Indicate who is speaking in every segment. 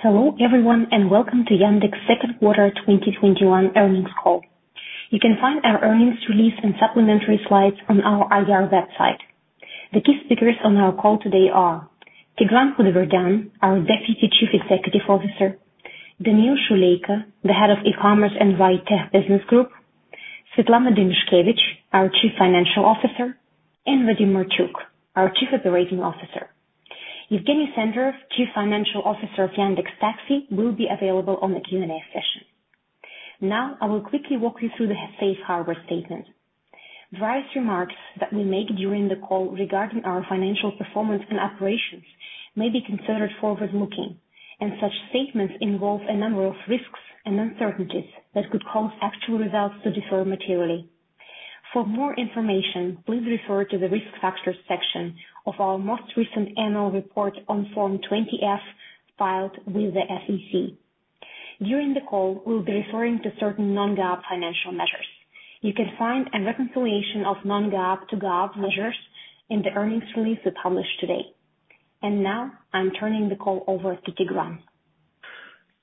Speaker 1: Hello everyone, welcome to Yandex second quarter 2021 earnings call. You can find our earnings release and supplementary slides on our IR website. The key speakers on our call today are Tigran Khudaverdyan, our Deputy Chief Executive Officer; Daniil Shuleyko, the Head of E-commerce and RideTech Business Group; Svetlana Demyashkevich, our Chief Financial Officer; and Vadim Marchuk, our Chief Operating Officer. Yevgeny Senderov, Chief Financial Officer of Yandex.Taxi, will be available on the Q&A session. Now I will quickly walk you through the safe harbor statement. Various remarks that we make during the call regarding our financial performance and operations may be considered forward-looking, and such statements involve a number of risks and uncertainties that could cause actual results to differ materially. For more information, please refer to the Risk Factors section of our most recent Annual Report on Form 20-F filed with the SEC. During the call, we'll be referring to certain non-GAAP financial measures. You can find a reconciliation of non-GAAP to GAAP measures in the earnings release we published today. Now I'm turning the call over to Tigran.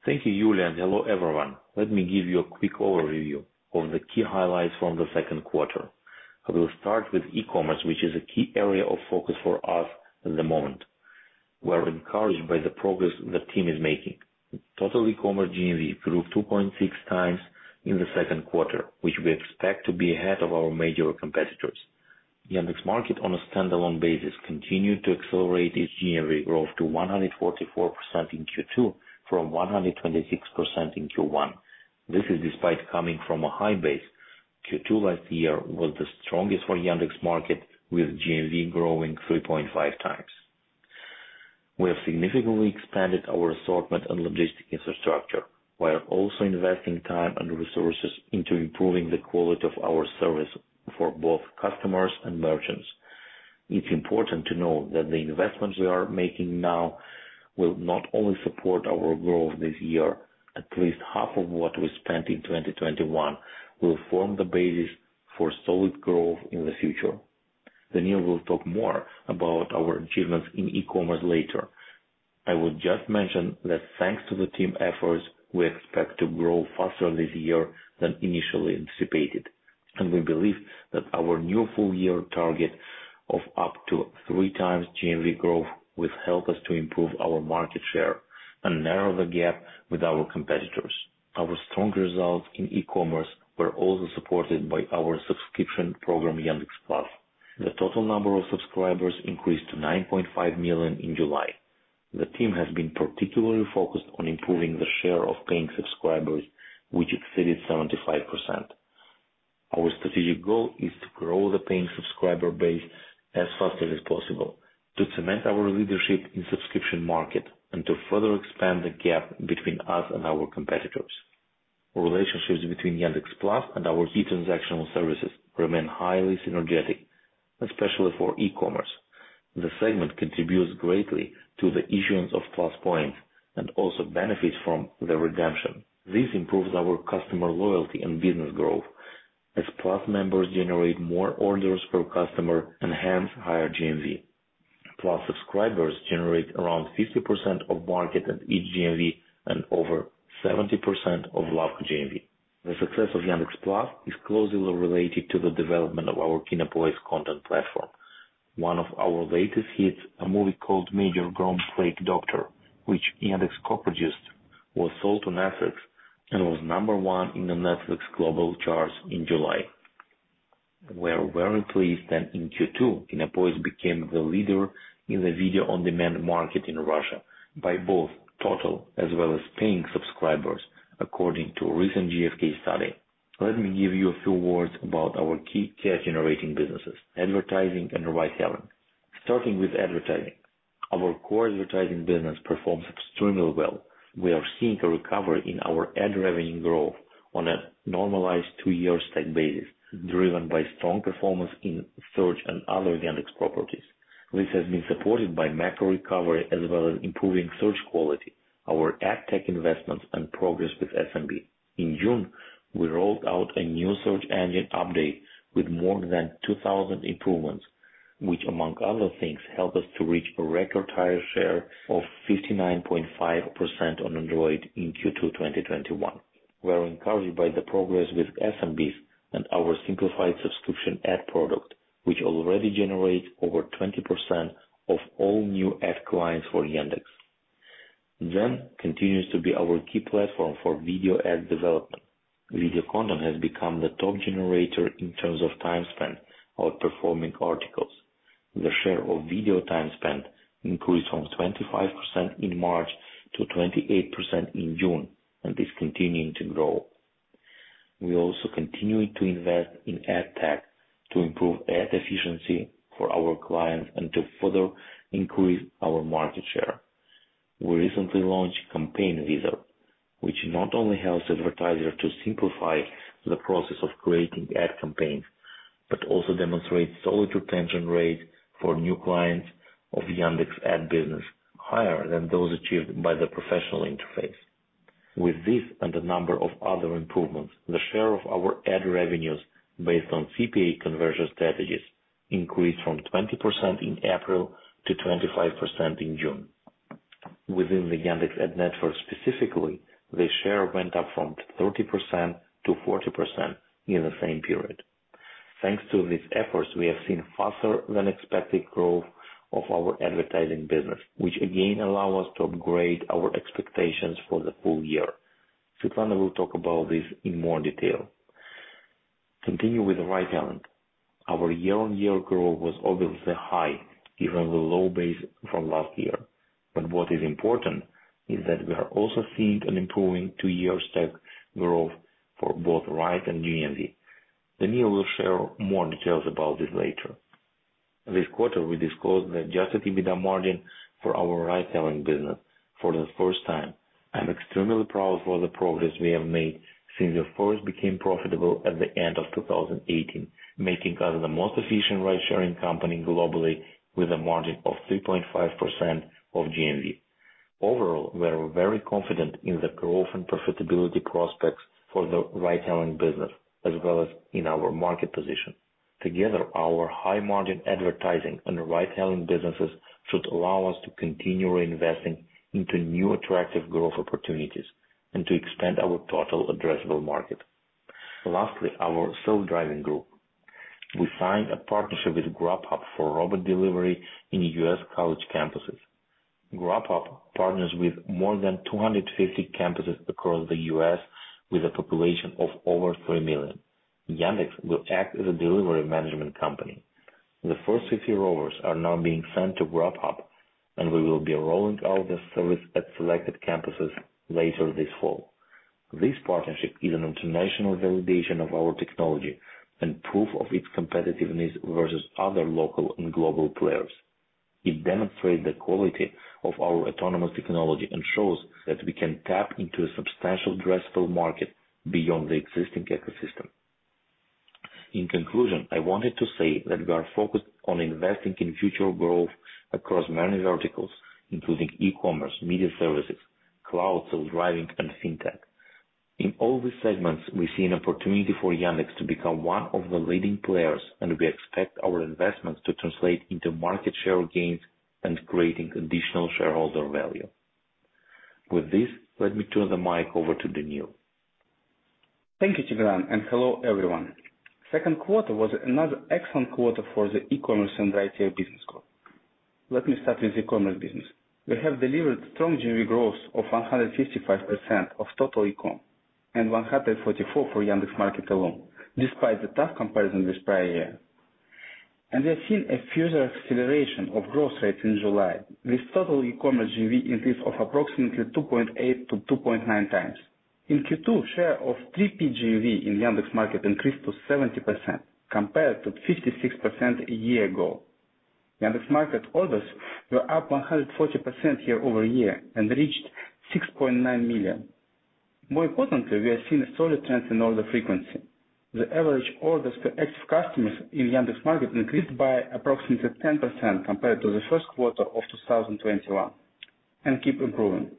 Speaker 2: Thank you, Yulia, and hello everyone. Let me give you a quick overview of the key highlights from the second quarter. I will start with E-commerce, which is a key area of focus for us at the moment. We are encouraged by the progress the team is making. Total E-commerce GMV grew 2.6x in the second quarter, which we expect to be ahead of our major competitors. Yandex Market, on a standalone basis, continued to accelerate its GMV growth to 144% in Q2 from 126% in Q1. This is despite coming from a high base. Q2 last year was the strongest for Yandex Market, with GMV growing 3.5x. We have significantly expanded our assortment and logistic infrastructure, while also investing time and resources into improving the quality of our service for both customers and merchants. It's important to note that the investments we are making now will not only support our growth this year. At least half of what we spent in 2021 will form the basis for solid growth in the future. Daniil will talk more about our achievements in E-commerce later. I would just mention that thanks to the team efforts, we expect to grow faster this year than initially anticipated, and we believe that our new full year target of up to 3x GMV growth will help us to improve our market share and narrow the gap with our competitors. Our strong results in E-commerce were also supported by our subscription program, Yandex Plus. The total number of subscribers increased to 9.5 million in July. The team has been particularly focused on improving the share of paying subscribers, which exceeded 75%. Our strategic goal is to grow the paying subscriber base as faster as possible, to cement our leadership in subscription market, and to further expand the gap between us and our competitors. Relationships between Yandex Plus and our key transactional services remain highly synergetic, especially for E-commerce. The segment contributes greatly to the issuance of Plus points, and also benefits from the redemption. This improves our customer loyalty and business growth, as Plus members generate more orders per customer and hence higher GMV. Plus subscribers generate around 50% of Yandex Market GMV and over 70% of Yandex Lavka GMV. The success of Yandex Plus is closely related to the development of our Kinopoisk content platform. One of our latest hits, a movie called "Major Grom: Plague Doctor," which Yandex co-produced, was sold on Netflix and was number one in the Netflix global charts in July. We are very pleased that in Q2, Kinopoisk became the leader in the video-on-demand market in Russia by both total as well as paying subscribers, according to a recent GfK study. Let me give you a few words about our key cash generating businesses, advertising and ride hailing. Starting with advertising. Our core advertising business performs extremely well. We are seeing a recovery in our ad revenue growth on a normalized two-year stack basis, driven by strong performance in search and other Yandex properties. This has been supported by macro recovery as well as improving search quality, our ad tech investments, and progress with SMB. In June, we rolled out a new search engine update with more than 2,000 improvements, which, among other things, help us to reach a record higher share of 59.5% on Android in Q2 2021. We are encouraged by the progress with SMBs and our simplified subscription ad product, which already generates over 20% of all new ad clients for Yandex. Continues to be our key platform for video ad development. Video content has become the top generator in terms of time spent, outperforming articles. The share of video time spent increased from 25% in March to 28% in June, and is continuing to grow. We're also continuing to invest in ad tech to improve ad efficiency for our clients and to further increase our market share. We recently launched Campaign Wizard, which not only helps advertisers to simplify the process of creating ad campaigns, but also demonstrates solid retention rate for new clients of Yandex ad business, higher than those achieved by the professional. With this and a number of other improvements, the share of our ad revenues based on CPA conversion strategies increased from 20% in April to 25% in June. Within the Yandex Advertising Network specifically, the share went up from 30% to 40% in the same period. Thanks to these efforts, we have seen faster than expected growth of our advertising business, which again allow us to upgrade our expectations for the full year. Svetlana will talk about this in more detail. Continue with Ride-hailing. Our year-on-year growth was obviously high given the low base from last year. What is important is that we are also seeing an improving two-year stack growth for both Ride and GMV. Daniil will share more details about this later. This quarter, we disclosed the adjusted EBITDA margin for our Ridehailing business for the first time. I'm extremely proud for the progress we have made since it first became profitable at the end of 2018, making us the most efficient ridesharing company globally with a margin of 3.5% of GMV. Overall, we are very confident in the growth and profitability prospects for the Ridehailing business, as well as in our market position. Together, our high margin advertising and Ridehailing businesses should allow us to continue reinvesting into new attractive growth opportunities and to expand our total addressable market. Lastly, our self-driving group. We signed a partnership with Grubhub for robot delivery in U.S. college campuses. Grubhub partners with more than 250 campuses across the U.S. with a population of over 3 million. Yandex will act as a delivery management company. The first 50 rovers are now being sent to Grubhub, and we will be rolling out the service at selected campuses later this fall. This partnership is an international validation of our technology and proof of its competitiveness versus other local and global players. It demonstrates the quality of our autonomous technology and shows that we can tap into a substantial addressable market beyond the existing ecosystem. In conclusion, I wanted to say that we are focused on investing in future growth across many verticals, including E-commerce, Media services, cloud, self-driving, and fintech. In all these segments, we see an opportunity for Yandex to become one of the leading players. We expect our investments to translate into market share gains and creating additional shareholder value. With this, let me turn the mic over to Daniil.
Speaker 3: Thank you, Tigran, and hello, everyone. 2Q was another excellent quarter for the E-commerce and Ridehailing business growth. Let me start with E-commerce business. We have delivered strong GMV growth of 155% of total ecom and 144% for Yandex Market alone, despite the tough comparison this prior year. We are seeing a further acceleration of growth rates in July with total E-commerce GMV increase of approximately 2.8x-2.9x. In Q2, share of 3P GMV in Yandex Market increased to 70% compared to 56% a year ago. Yandex Market orders were up 140% year-over-year and reached 6.9 million. More importantly, we are seeing a solid trend in order frequency. The average orders to active customers in Yandex Market increased by approximately 10% compared to the first quarter of 2021, and keep improving.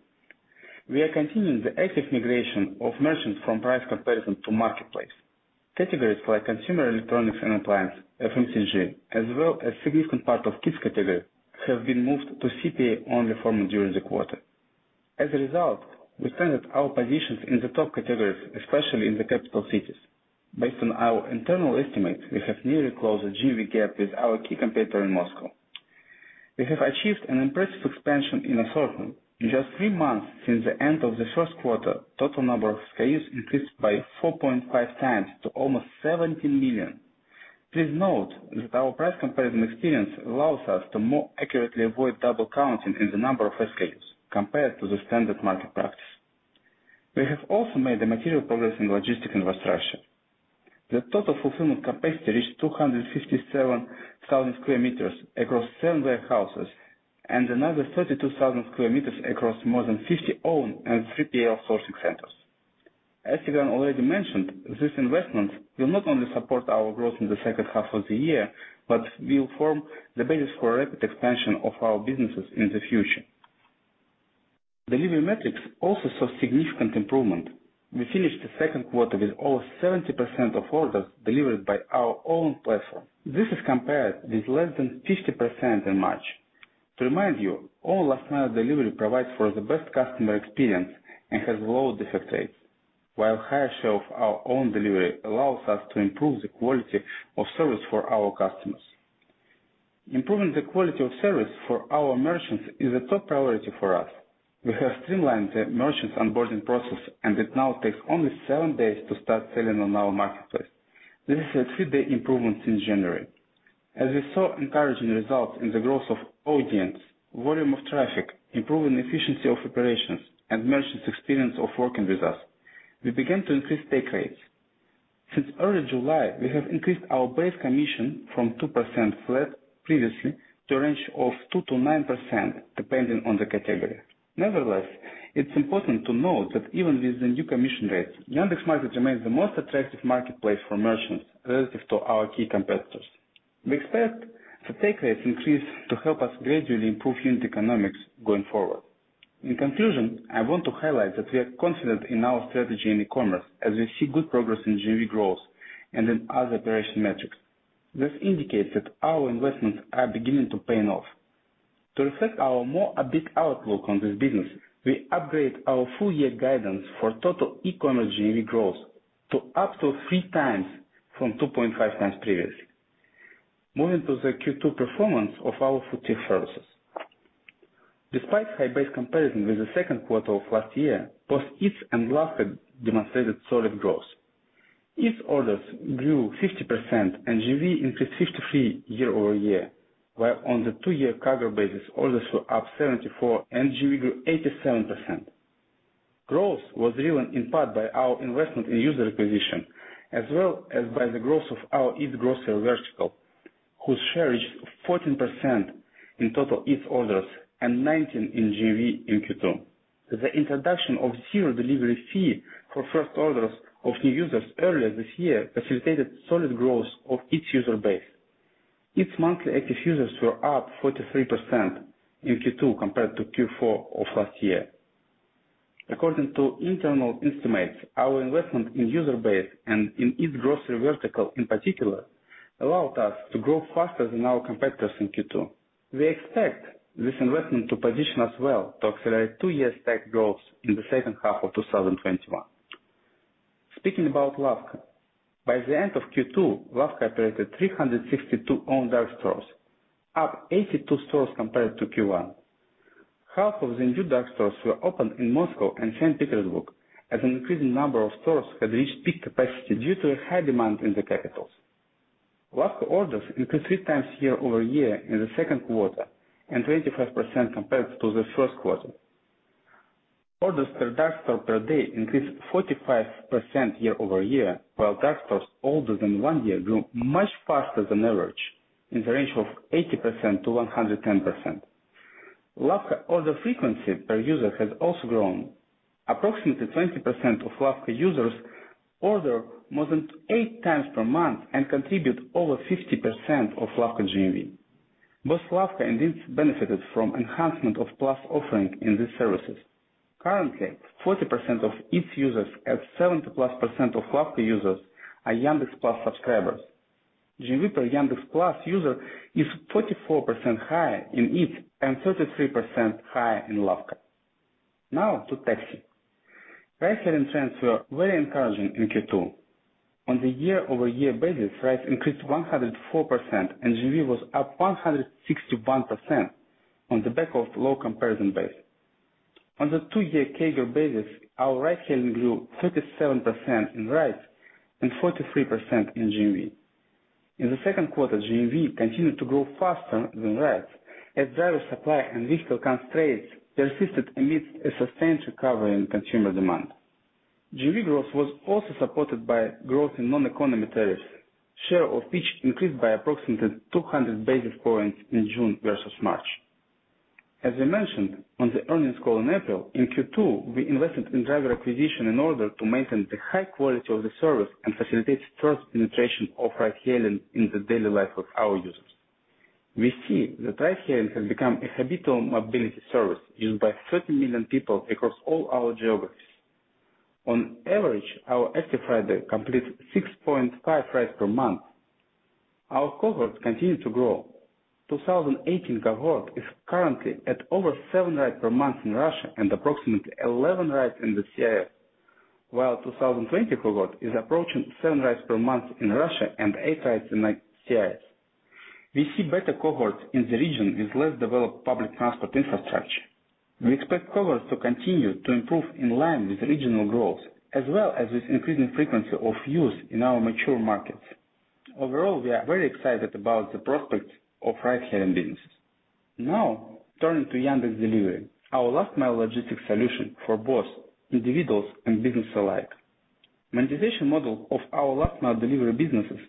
Speaker 3: We are continuing the active migration of merchants from price comparison to marketplace. Categories like consumer electronics and appliance, FMCG, as well as significant part of kids category, have been moved to CPA-only format during the quarter. As a result, we strengthened our positions in the top categories, especially in the capital cities. Based on our internal estimates, we have nearly closed the GMV gap with our key competitor in Moscow. We have achieved an impressive expansion in assortment. In just three months since the end of the first quarter, total number of SKUs increased by 4.5x to almost 70 million. Please note that our price comparison experience allows us to more accurately avoid double counting in the number of SKUs compared to the standard market practice. We have also made a material progress in logistic infrastructure. The total fulfillment capacity reached 257,000 square meters across seven warehouses and another 32,000 square meters across more than 50 owned and 3PL sourcing centers. As Tigran already mentioned, this investment will not only support our growth in the second half of the year but will form the basis for rapid expansion of our businesses in the future. Delivery metrics also saw significant improvement. We finished the second quarter with over 70% of orders delivered by our own platform. This is compared with less than 50% in March. To remind you, all last mile delivery provides for the best customer experience and has low defect rates, while higher share of our own delivery allows us to improve the quality of service for our customers. Improving the quality of service for our merchants is a top priority for us. We have streamlined the merchants onboarding process, and it now takes only seven days to start selling on our marketplace. This is a 3-day improvement since January. As we saw encouraging results in the growth of audience, volume of traffic, improving efficiency of operations, and merchants' experience of working with us, we began to increase take rates. Since early July, we have increased our base commission from 2% previously to a range of 2%-9%, depending on the category. Nevertheless, it's important to note that even with the new commission rates, Yandex Market remains the most attractive marketplace for merchants relative to our key competitors. We expect the take rates increase to help us gradually improve unit economics going forward. In conclusion, I want to highlight that we are confident in our strategy in commerce as we see good progress in GMV growth and in other operation metrics. This indicates that our investments are beginning to paying off. To reflect our more upbeat outlook on this business, we upgrade our full year guidance for total E-commerce growth to up to 3x from 2.5x last year. Moving to the Q2 performance of our food services. Despite high base comparison with the second quarter of last year, both Eats and Lavka demonstrated solid growth. Eats orders grew 50% and GMV increased 53% year-over-year, while on the two-year CAGR basis, orders were up 74% and GMV grew 87%. Growth was driven in part by our investment in user acquisition, as well as by the growth of our Eats grocery vertical, whose share is 14% in total Eats orders and 19% in GMV in Q2. The introduction of zero delivery fee for first orders of new users earlier this year facilitated solid growth of Eats user base. Its monthly active users were up 43% in Q2 compared to Q4 of last year. According to internal estimates, our investment in user base and in Eats grocery vertical in particular, allowed us to grow faster than our competitors in Q2. We expect this investment to position us well to accelerate two-year stack growth in the second half of 2021. Speaking about Lavka. By the end of Q2, Lavka operated 362 own dark stores, up 82 stores compared to Q1. Half of the new dark stores were opened in Moscow and Saint Petersburg, as an increasing number of stores had reached peak capacity due to a high demand in the capitals. Lavka orders increased 3x year-over-year in the second quarter, and 25% compared to the first quarter. Orders per dark store per day increased 45% year-over-year, while dark stores older than one year grew much faster than average in the range of 80%-110%. Lavka order frequency per user has also grown. Approximately 20% of Lavka users order more than 8x per month and contribute over 50% of Lavka GMV. Both Lavka and Eats benefited from enhancement of Plus offering in these services. Currently, 40% of Eats users and 70%+ of Lavka users are Yandex Plus subscribers. GMV per Yandex Plus user is 44% higher in Eats and 33% higher in Lavka. Now to Taxi. Ride-hailing trends were very encouraging in Q2. On the year-over-year basis, rides increased 104%, and GMV was up 161% on the back of low comparison base. On the two-year CAGR basis, our ride-hailing grew 37% in rides and 43% in GMV. In the second quarter, GMV continued to grow faster than rides as driver supply and vehicle constraints persisted amidst a sustained recovery in consumer demand. GMV growth was also supported by growth in non-economy tariffs, share of which increased by approximately 200 basis points in June versus March. As we mentioned on the earnings call in April, in Q2, we invested in driver acquisition in order to maintain the high quality of the service and facilitate further penetration of ride-hailing in the daily life of our users. We see that ride-hailing has become a habitual mobility service used by 30 million people across all our geographies. On average, our active rider completes 6.5 rides per month. Our cohort continued to grow. 2018 cohort is currently at over seven rides per month in Russia and approximately 11 rides in the CIS, while 2020 cohort is approaching seven rides per month in Russia and eight rides in the CIS. We see better cohorts in the region with less developed public transport infrastructure. We expect cohorts to continue to improve in line with regional growth, as well as with increasing frequency of use in our mature markets. Overall, we are very excited about the prospect of ride-hailing business. Now turning to Yandex Delivery, our last mile logistics solution for both individuals and business alike. Monetization model of our last mile delivery businesses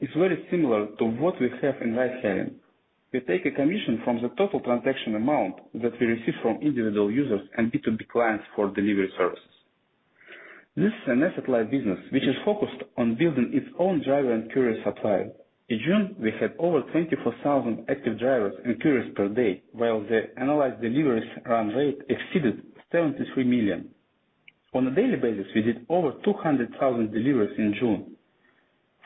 Speaker 3: is very similar to what we have in ride-hailing. We take a commission from the total transaction amount that we receive from individual users and B2B clients for delivery services. This is an asset-light business which is focused on building its own driver and courier supply. In June, we had over 24,000 active drivers and couriers per day, while the analyzed deliveries run rate exceeded 73 million. On a daily basis, we did over 200,000 deliveries in June.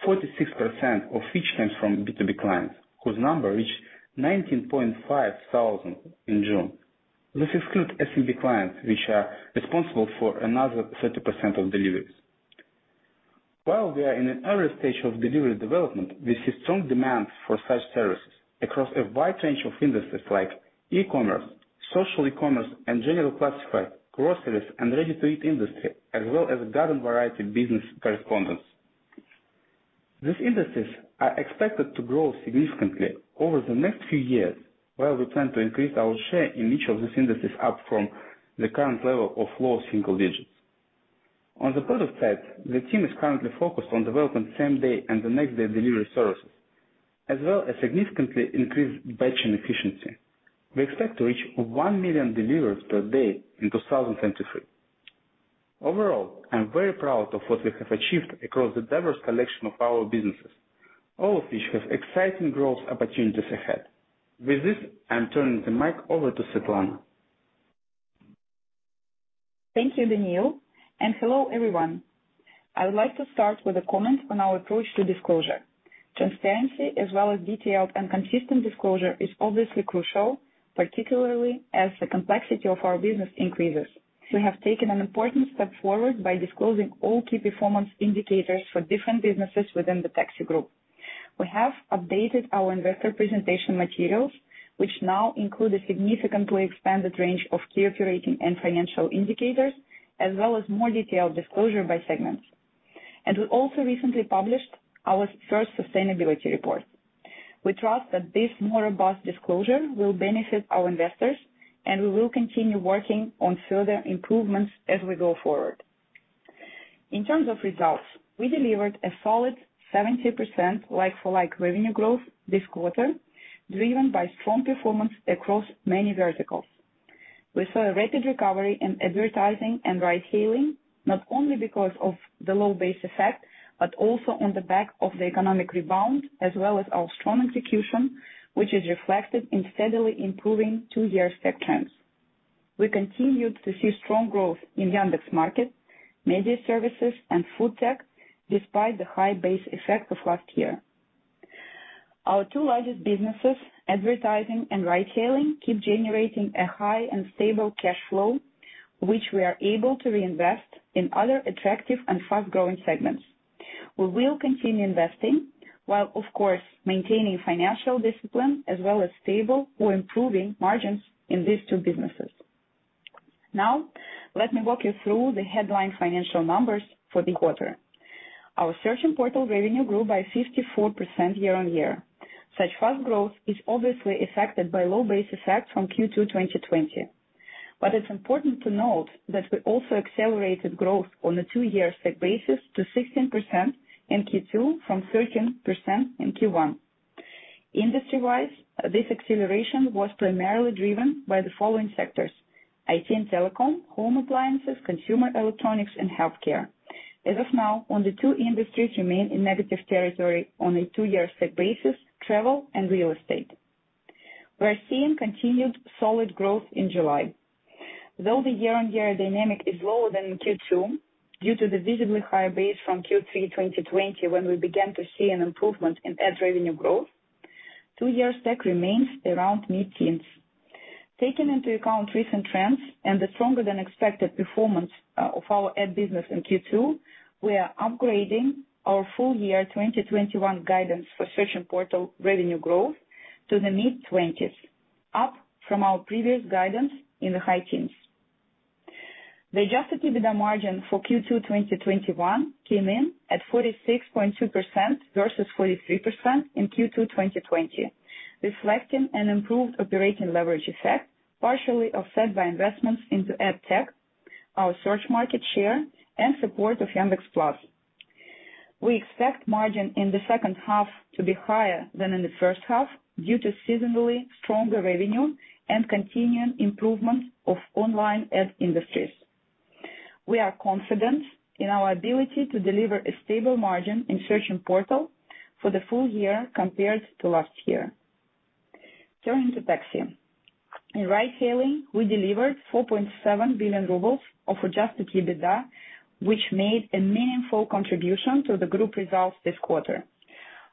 Speaker 3: 46% of which comes from B2B clients, whose number reached 19,500 in June. This excludes SMB clients, which are responsible for another 30% of deliveries. While we are in an early stage of delivery development, we see strong demand for such services across a wide range of industries like e-commerce, social commerce, and general classified, groceries, and ready-to-eat industry, as well as garden variety business correspondence. These industries are expected to grow significantly over the next few years, while we plan to increase our share in each of these industries up from the current level of low single digits. On the product side, the team is currently focused on developing same-day and the next-day delivery services, as well as significantly increased batching efficiency. We expect to reach 1 million deliveries per day in 2023. Overall, I'm very proud of what we have achieved across the diverse collection of our businesses, all of which have exciting growth opportunities ahead. With this, I'm turning the mic over to Svetlana.
Speaker 4: Thank you, Daniil. Hello, everyone. I would like to start with a comment on our approach to disclosure. Transparency as well as detailed and consistent disclosure is obviously crucial, particularly as the complexity of our business increases. We have taken an important step forward by disclosing all key performance indicators for different businesses within the Taxi Group. We have updated our investor presentation materials, which now include a significantly expanded range of key operating and financial indicators, as well as more detailed disclosure by segments. We also recently published our first sustainability report. We trust that this more robust disclosure will benefit our investors, and we will continue working on further improvements as we go forward. In terms of results, we delivered a solid 70% like-for-like revenue growth this quarter, driven by strong performance across many verticals. We saw a rapid recovery in advertising and ride hailing, not only because of the low base effect, but also on the back of the economic rebound, as well as our strong execution, which is reflected in steadily improving two-year stack trends. We continued to see strong growth in Yandex Market, media services, and food tech, despite the high base effect of last year. Our two largest businesses, advertising and ride hailing, keep generating a high and stable cash flow, which we are able to reinvest in other attractive and fast-growing segments. We will continue investing while, of course, maintaining financial discipline as well as stable or improving margins in these two businesses. Now, let me walk you through the headline financial numbers for the quarter. Our search and portal revenue grew by 54% year-on-year. Such fast growth is obviously affected by low base effects from Q2 2020. It's important to note that we also accelerated growth on the two-year stack basis to 16% in Q2 from 13% in Q1. Industry-wise, this acceleration was primarily driven by the following sectors: IT and telecom, home appliances, consumer electronics, and healthcare. As of now, only two industries remain in negative territory on a two-year stack basis, travel and real estate. We are seeing continued solid growth in July. Though the year-on-year dynamic is lower than in Q2 due to the visibly higher base from Q3 2020 when we began to see an improvement in ad revenue growth, two-year stack remains around mid-teens. Taking into account recent trends and the stronger than expected performance of our ad business in Q2, we are upgrading our full year 2021 guidance for search and portal revenue growth to the mid-20s, up from our previous guidance in the high teens. The adjusted EBITDA margin for Q2 2021 came in at 46.2% versus 43% in Q2 2020, reflecting an improved operating leverage effect, partially offset by investments into ad tech, our search market share, and support of Yandex Plus. We expect margin in the second half to be higher than in the first half due to seasonally stronger revenue and continued improvement of online ad industries. We are confident in our ability to deliver a stable margin in search and portal for the full year compared to last year. Turning to Taxi. In ride hailing, we delivered 4.7 billion rubles of adjusted EBITDA, which made a meaningful contribution to the group results this quarter.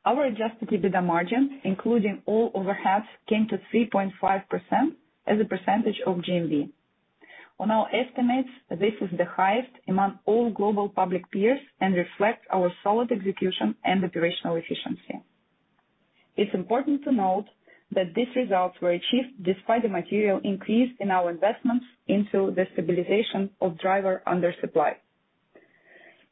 Speaker 4: Our adjusted EBITDA margin, including all overheads, came to 3.5% as a percentage of GMV. On our estimates, this is the highest among all global public peers and reflects our solid execution and operational efficiency. It's important to note that these results were achieved despite the material increase in our investments into the stabilization of driver under supply.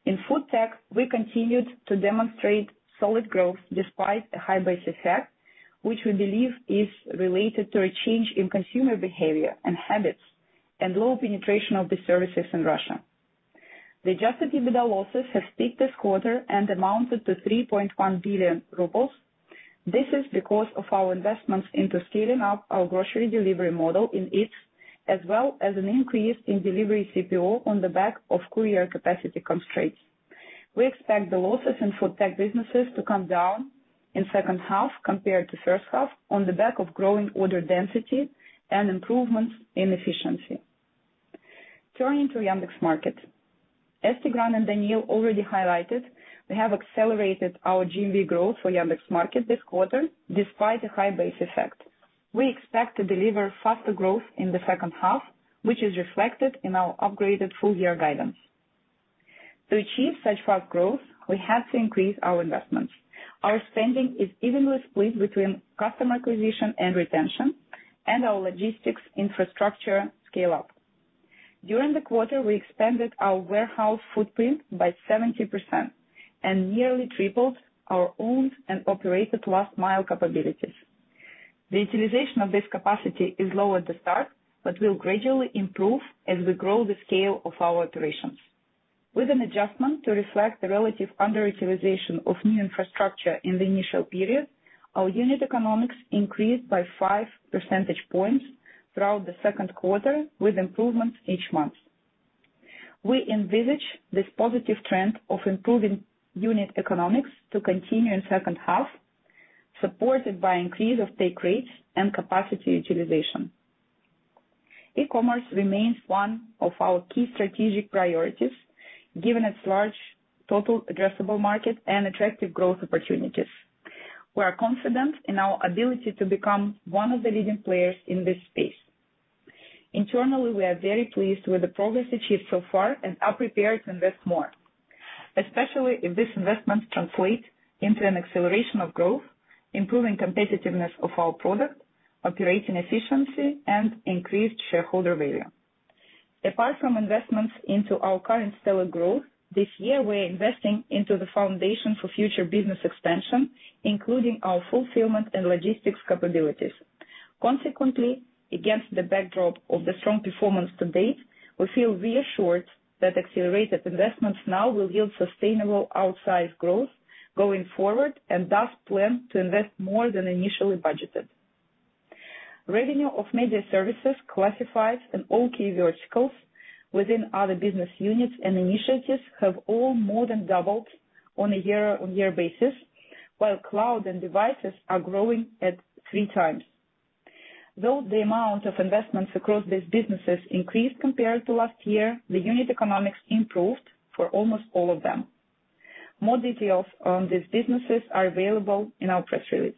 Speaker 4: In food tech, we continued to demonstrate solid growth despite a high base effect, which we believe is related to a change in consumer behavior and habits and low penetration of the services in Russia. The adjusted EBITDA losses have peaked this quarter and amounted to 3.1 billion rubles. This is because of our investments into scaling up our grocery delivery model in each, as well as an increase in delivery CPO on the back of courier capacity constraints. We expect the losses in food tech businesses to come down in second half compared to first half on the back of growing order density and improvements in efficiency. Turning to Yandex Market. As Tigran and Daniil already highlighted, we have accelerated our GMV growth for Yandex Market this quarter despite the high base effect. We expect to deliver faster growth in the second half, which is reflected in our upgraded full year guidance. To achieve such fast growth, we have to increase our investments. Our spending is evenly split between customer acquisition and retention and our logistics infrastructure scale-up. During the quarter, we expanded our warehouse footprint by 70% and nearly tripled our owned and operated last mile capabilities. The utilization of this capacity is low at the start, but will gradually improve as we grow the scale of our operations. With an adjustment to reflect the relative underutilization of new infrastructure in the initial period, our unit economics increased by 5 percentage points throughout the second quarter, with improvements each month. We envisage this positive trend of improving unit economics to continue in second half, supported by increase of take rates and capacity utilization. E-commerce remains one of our key strategic priorities, given its large total addressable market and attractive growth opportunities. We are confident in our ability to become one of the leading players in this space. Internally, we are very pleased with the progress achieved so far and are prepared to invest more, especially if this investment translates into an acceleration of growth, improving competitiveness of our product, operating efficiency, and increased shareholder value. Apart from investments into our current stellar growth, this year we're investing into the foundation for future business expansion, including our fulfillment and logistics capabilities. Consequently, against the backdrop of the strong performance to date, we feel reassured that accelerated investments now will yield sustainable outsize growth going forward, and thus plan to invest more than initially budgeted. Revenue of media services, classifieds, and all key verticals within other business units and initiatives have all more than doubled on a year-on-year basis, while cloud and devices are growing at 3x. Though the amount of investments across these businesses increased compared to last year, the unit economics improved for almost all of them. More details on these businesses are available in our press release.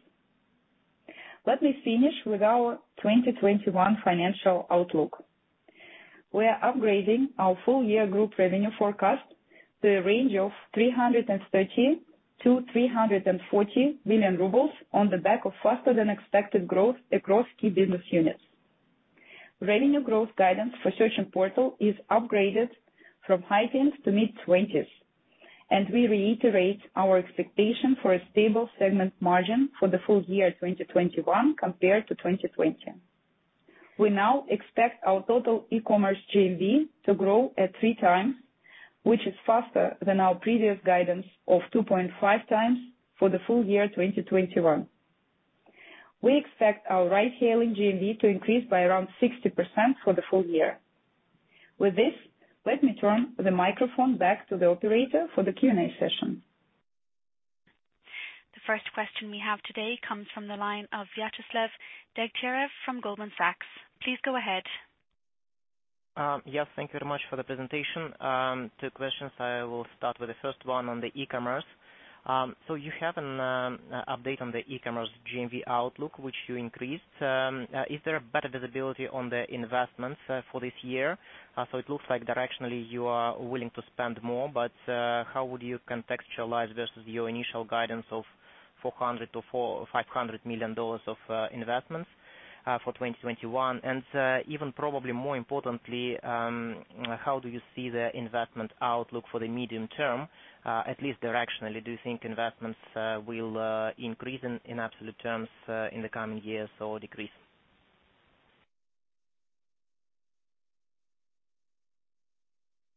Speaker 4: Let me finish with our 2021 financial outlook. We are upgrading our full-year group revenue forecast to a range of 330 billion-340 billion rubles on the back of faster than expected growth across key business units. Revenue growth guidance for search and portal is upgraded from high teens to mid-20s, and we reiterate our expectation for a stable segment margin for the full year 2021 compared to 2020. We now expect our total e-commerce GMV to grow at 3x, which is faster than our previous guidance of 2.5x for the full year 2021. We expect our ride hailing GMV to increase by around 60% for the full year. With this, let me turn the microphone back to the operator for the Q&A session.
Speaker 5: The first question we have today comes from the line of Vyacheslav Degtyarev from Goldman Sachs. Please go ahead.
Speaker 6: Yes, thank you very much for the presentation. Two questions. I will start with the first one on the e-commerce. You have an update on the e-commerce GMV outlook, which you increased. Is there a better visibility on the investments for this year? It looks like directionally you are willing to spend more, how would you contextualize versus your initial guidance of $400 million-$500 million of investments for 2021? Even probably more importantly, how do you see the investment outlook for the medium term, at least directionally? Do you think investments will increase in absolute terms in the coming years or decrease?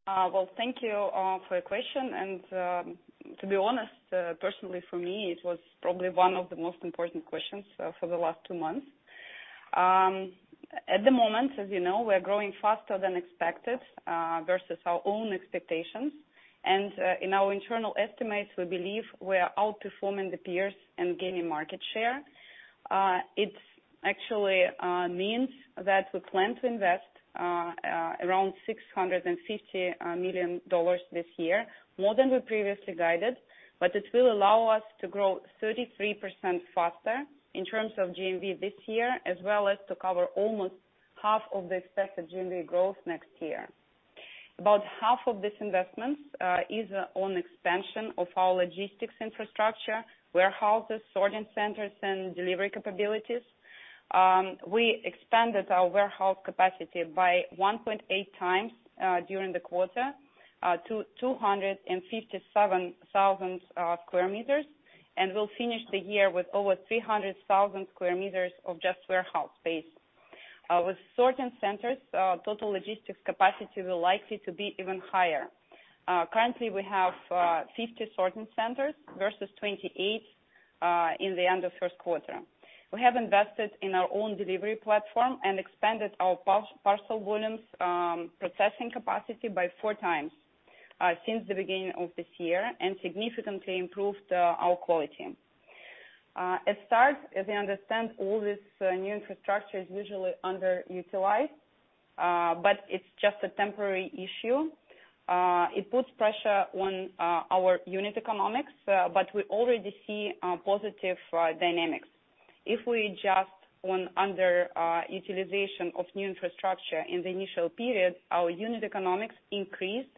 Speaker 4: Well, thank you for your question. To be honest, personally for me, it was probably one of the most important questions for the last two months. At the moment, as you know, we are growing faster than expected versus our own expectations. In our internal estimates, we believe we are outperforming the peers and gaining market share. It actually means that we plan to invest around $650 million this year, more than we previously guided. It will allow us to grow 33% faster in terms of GMV this year, as well as to cover almost half of the expected GMV growth next year. About half of this investment is on expansion of our logistics infrastructure, warehouses, sorting centers, and delivery capabilities. We expanded our warehouse capacity by 1.8x during the quarter to 257,000 square meters, and we'll finish the year with over 300,000 square meters of just warehouse space. With sorting centers, total logistics capacity will likely to be even higher. Currently, we have 50 sorting centers versus 28 in the end of first quarter. We have invested in our own delivery platform and expanded our parcel volumes processing capacity by 4x since the beginning of this year and significantly improved our quality. At start, as you understand, all this new infrastructure is usually underutilized, but it's just a temporary issue. It puts pressure on our unit economics, but we already see positive dynamics. If we adjust on under utilization of new infrastructure in the initial period, our unit economics increased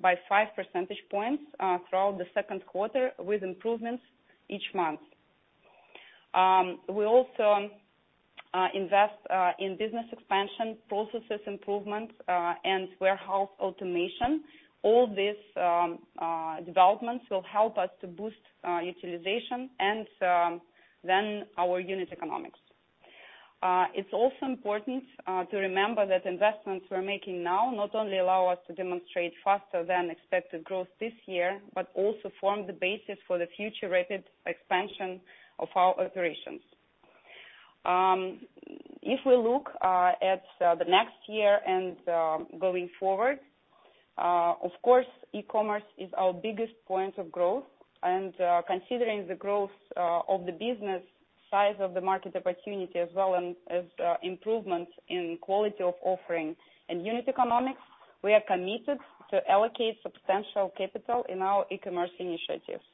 Speaker 4: by 5 percentage points throughout the second quarter with improvements each month. We also invest in business expansion, processes improvement, and warehouse automation. All this. developments will help us to boost utilization and then our unit economics. It's also important to remember that investments we're making now not only allow us to demonstrate faster than expected growth this year, but also form the basis for the future rapid expansion of our operations. If we look at the next year and going forward, of course, e-commerce is our biggest point of growth, and considering the growth of the business, size of the market opportunity as well, and as improvements in quality of offering and unit economics. We are committed to allocate substantial capital in our e-commerce initiatives.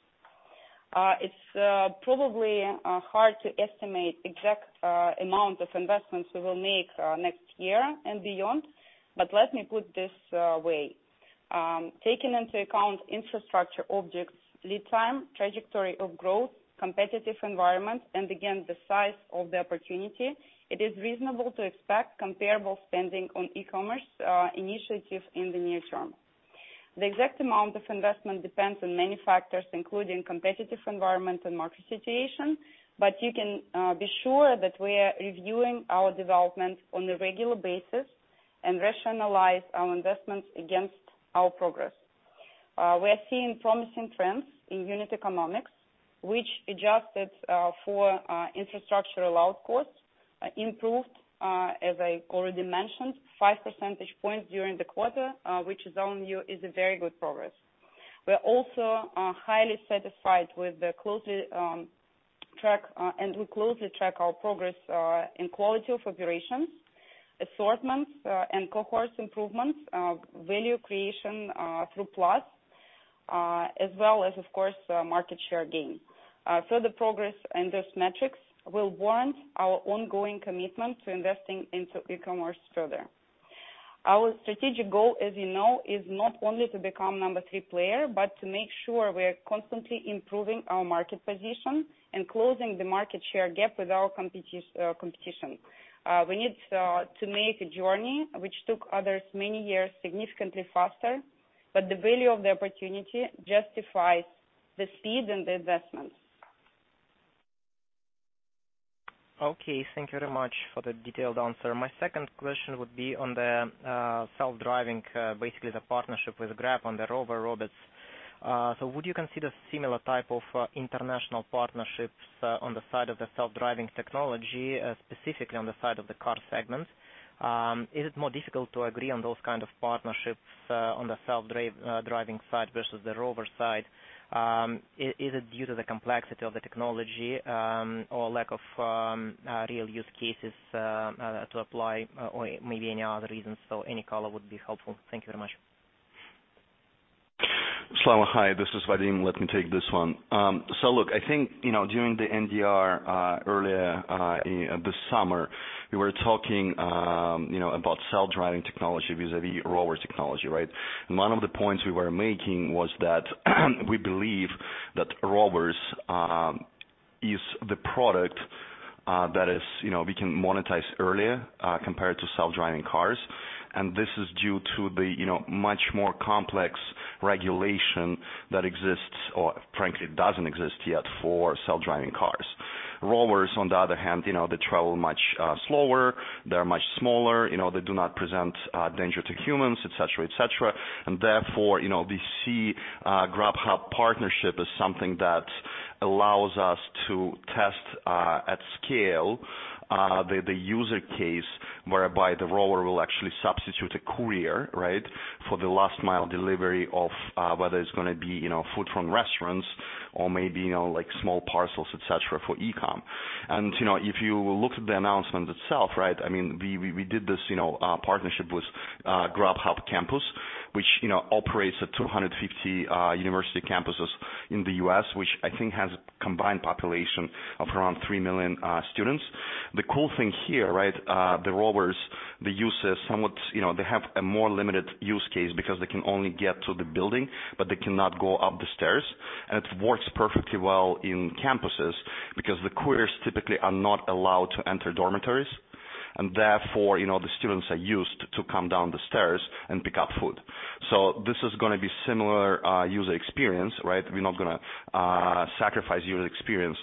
Speaker 4: It's probably hard to estimate exact amount of investments we will make next year and beyond. Let me put this way. Taking into account infrastructure objects lead time, trajectory of growth, competitive environment, and again, the size of the opportunity, it is reasonable to expect comparable spending on e-commerce initiatives in the near term. The exact amount of investment depends on many factors, including competitive environment and market situation. You can be sure that we are reviewing our development on a regular basis and rationalize our investments against our progress. We are seeing promising trends in unit economics, which adjusted for infrastructure allowed costs improved, as I already mentioned, 5 percentage points during the quarter, which is on you, is a very good progress. We are also highly satisfied, and we closely track our progress in quality of operations, assortments, and cohorts improvements, value creation through Yandex Plus, as well as, of course, market share gain. Further progress in those metrics will warrant our ongoing commitment to investing into e-commerce further. Our strategic goal, as you know, is not only to become number three player, but to make sure we are constantly improving our market position and closing the market share gap with our competition. We need to make a journey which took others many years significantly faster, but the value of the opportunity justifies the speed and the investments.
Speaker 6: Okay. Thank you very much for the detailed answer. My second question would be on the self-driving, basically the partnership with Grubhub on the Yandex.Rover robots. Would you consider similar type of international partnerships on the side of the self-driving technology, specifically on the side of the Car segment? Is it more difficult to agree on those kind of partnerships on the self-driving side versus the Yandex.Rover side? Is it due to the complexity of the technology, or lack of real use cases to apply, or maybe any other reasons? Any color would be helpful. Thank you very much.
Speaker 7: Slava, hi, this is Vadim. Let me take this one. Look, I think, during the NDR earlier this summer, we were talking about self-driving technology vis-a-vis Yandex.Rover technology, right? One of the points we were making was that we believe that Rovers is the product that we can monetize earlier compared to self-driving cars. This is due to the much more complex regulation that exists, or frankly, doesn't exist yet for self-driving cars. Rovers, on the other hand, they travel much slower, they're much smaller, they do not present danger to humans, et cetera. Therefore, we see Grubhub partnership as something that allows us to test at scale the user case, whereby the Yandex.Rover will actually substitute a courier, right? For the last mile delivery of, whether it's going to be food from restaurants or maybe small parcels, et cetera, for e-com. If you look at the announcement itself, right? We did this partnership with Grubhub Campus, which operates at 250 university campuses in the U.S., which I think has a combined population of around 3 million students. The cool thing here, right? The Rovers, they have a more limited use case because they can only get to the building, but they cannot go up the stairs. It works perfectly well in campuses because the couriers typically are not allowed to enter dormitories, and therefore, the students are used to come down the stairs and pick up food. This is going to be similar user experience, right? We are not going to sacrifice user experience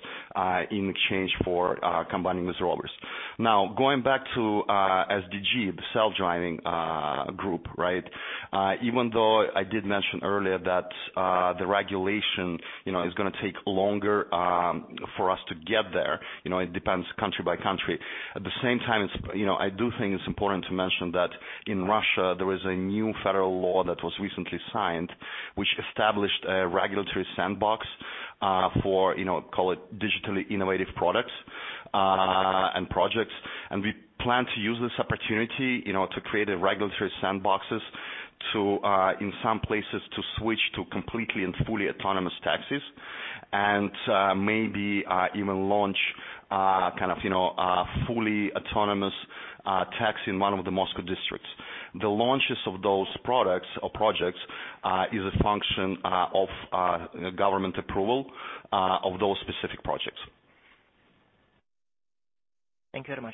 Speaker 7: in exchange for combining these Rovers. Now, going back to SDG, the self-driving group, right? Even though I did mention earlier that the regulation is going to take longer for us to get there, it depends country by country. At the same time, I do think it's important to mention that in Russia, there is a new federal law that was recently signed, which established a regulatory sandbox for, call it digitally innovative products and projects. We plan to use this opportunity to create a regulatory sandboxes in some places to switch to completely and fully autonomous taxis, and maybe even launch a fully autonomous taxi in one of the Moscow districts. The launches of those products or projects is a function of government approval of those specific projects.
Speaker 6: Thank you very much.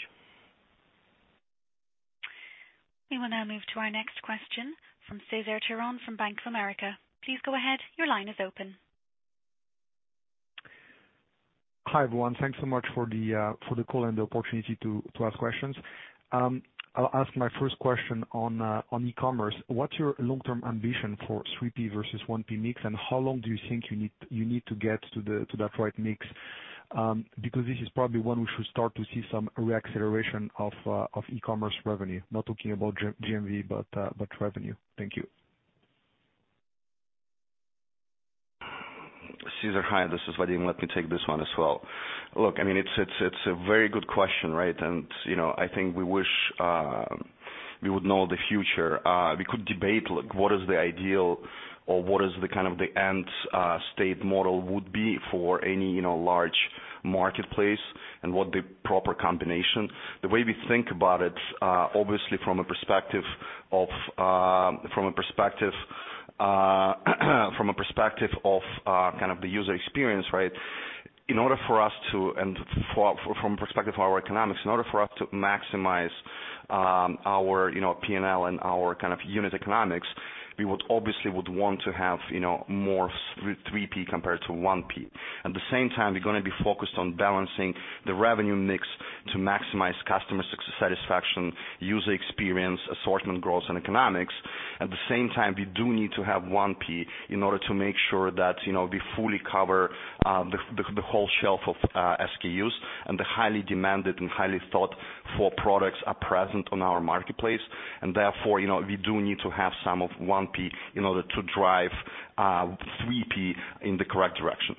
Speaker 5: We will now move to our next question from Cesar Tiron from Bank of America. Please go ahead. Your line is open.
Speaker 8: Hi, everyone. Thanks so much for the call and the opportunity to ask questions. I'll ask my first question on e-commerce. What's your long-term ambition for 3P versus 1P mix, and how long do you think you need to get to that right mix? Because this is probably one we should start to see some re-acceleration of e-commerce revenue. Not talking about GMV, but revenue. Thank you.
Speaker 7: Cesar, hi. This is Vadim. Let me take this one as well. Look, it's a very good question, right? I think we wish we would know the future. We could debate, look, what is the ideal or what is the end state model would be for any large marketplace and what the proper combination. The way we think about it, obviously from a perspective of the user experience, and from perspective of our economics, in order for us to maximize our P&L and our unit economics, we would obviously would want to have more 3P compared to 1P. At the same time, we're going to be focused on balancing the revenue mix to maximize customer success satisfaction, user experience, assortment growth, and economics. At the same time, we do need to have 1P in order to make sure that we fully cover the whole shelf of SKUs and the highly demanded and highly thought for products are present on our marketplace. Therefore, we do need to have some of 1P in order to drive 3P in the correct direction.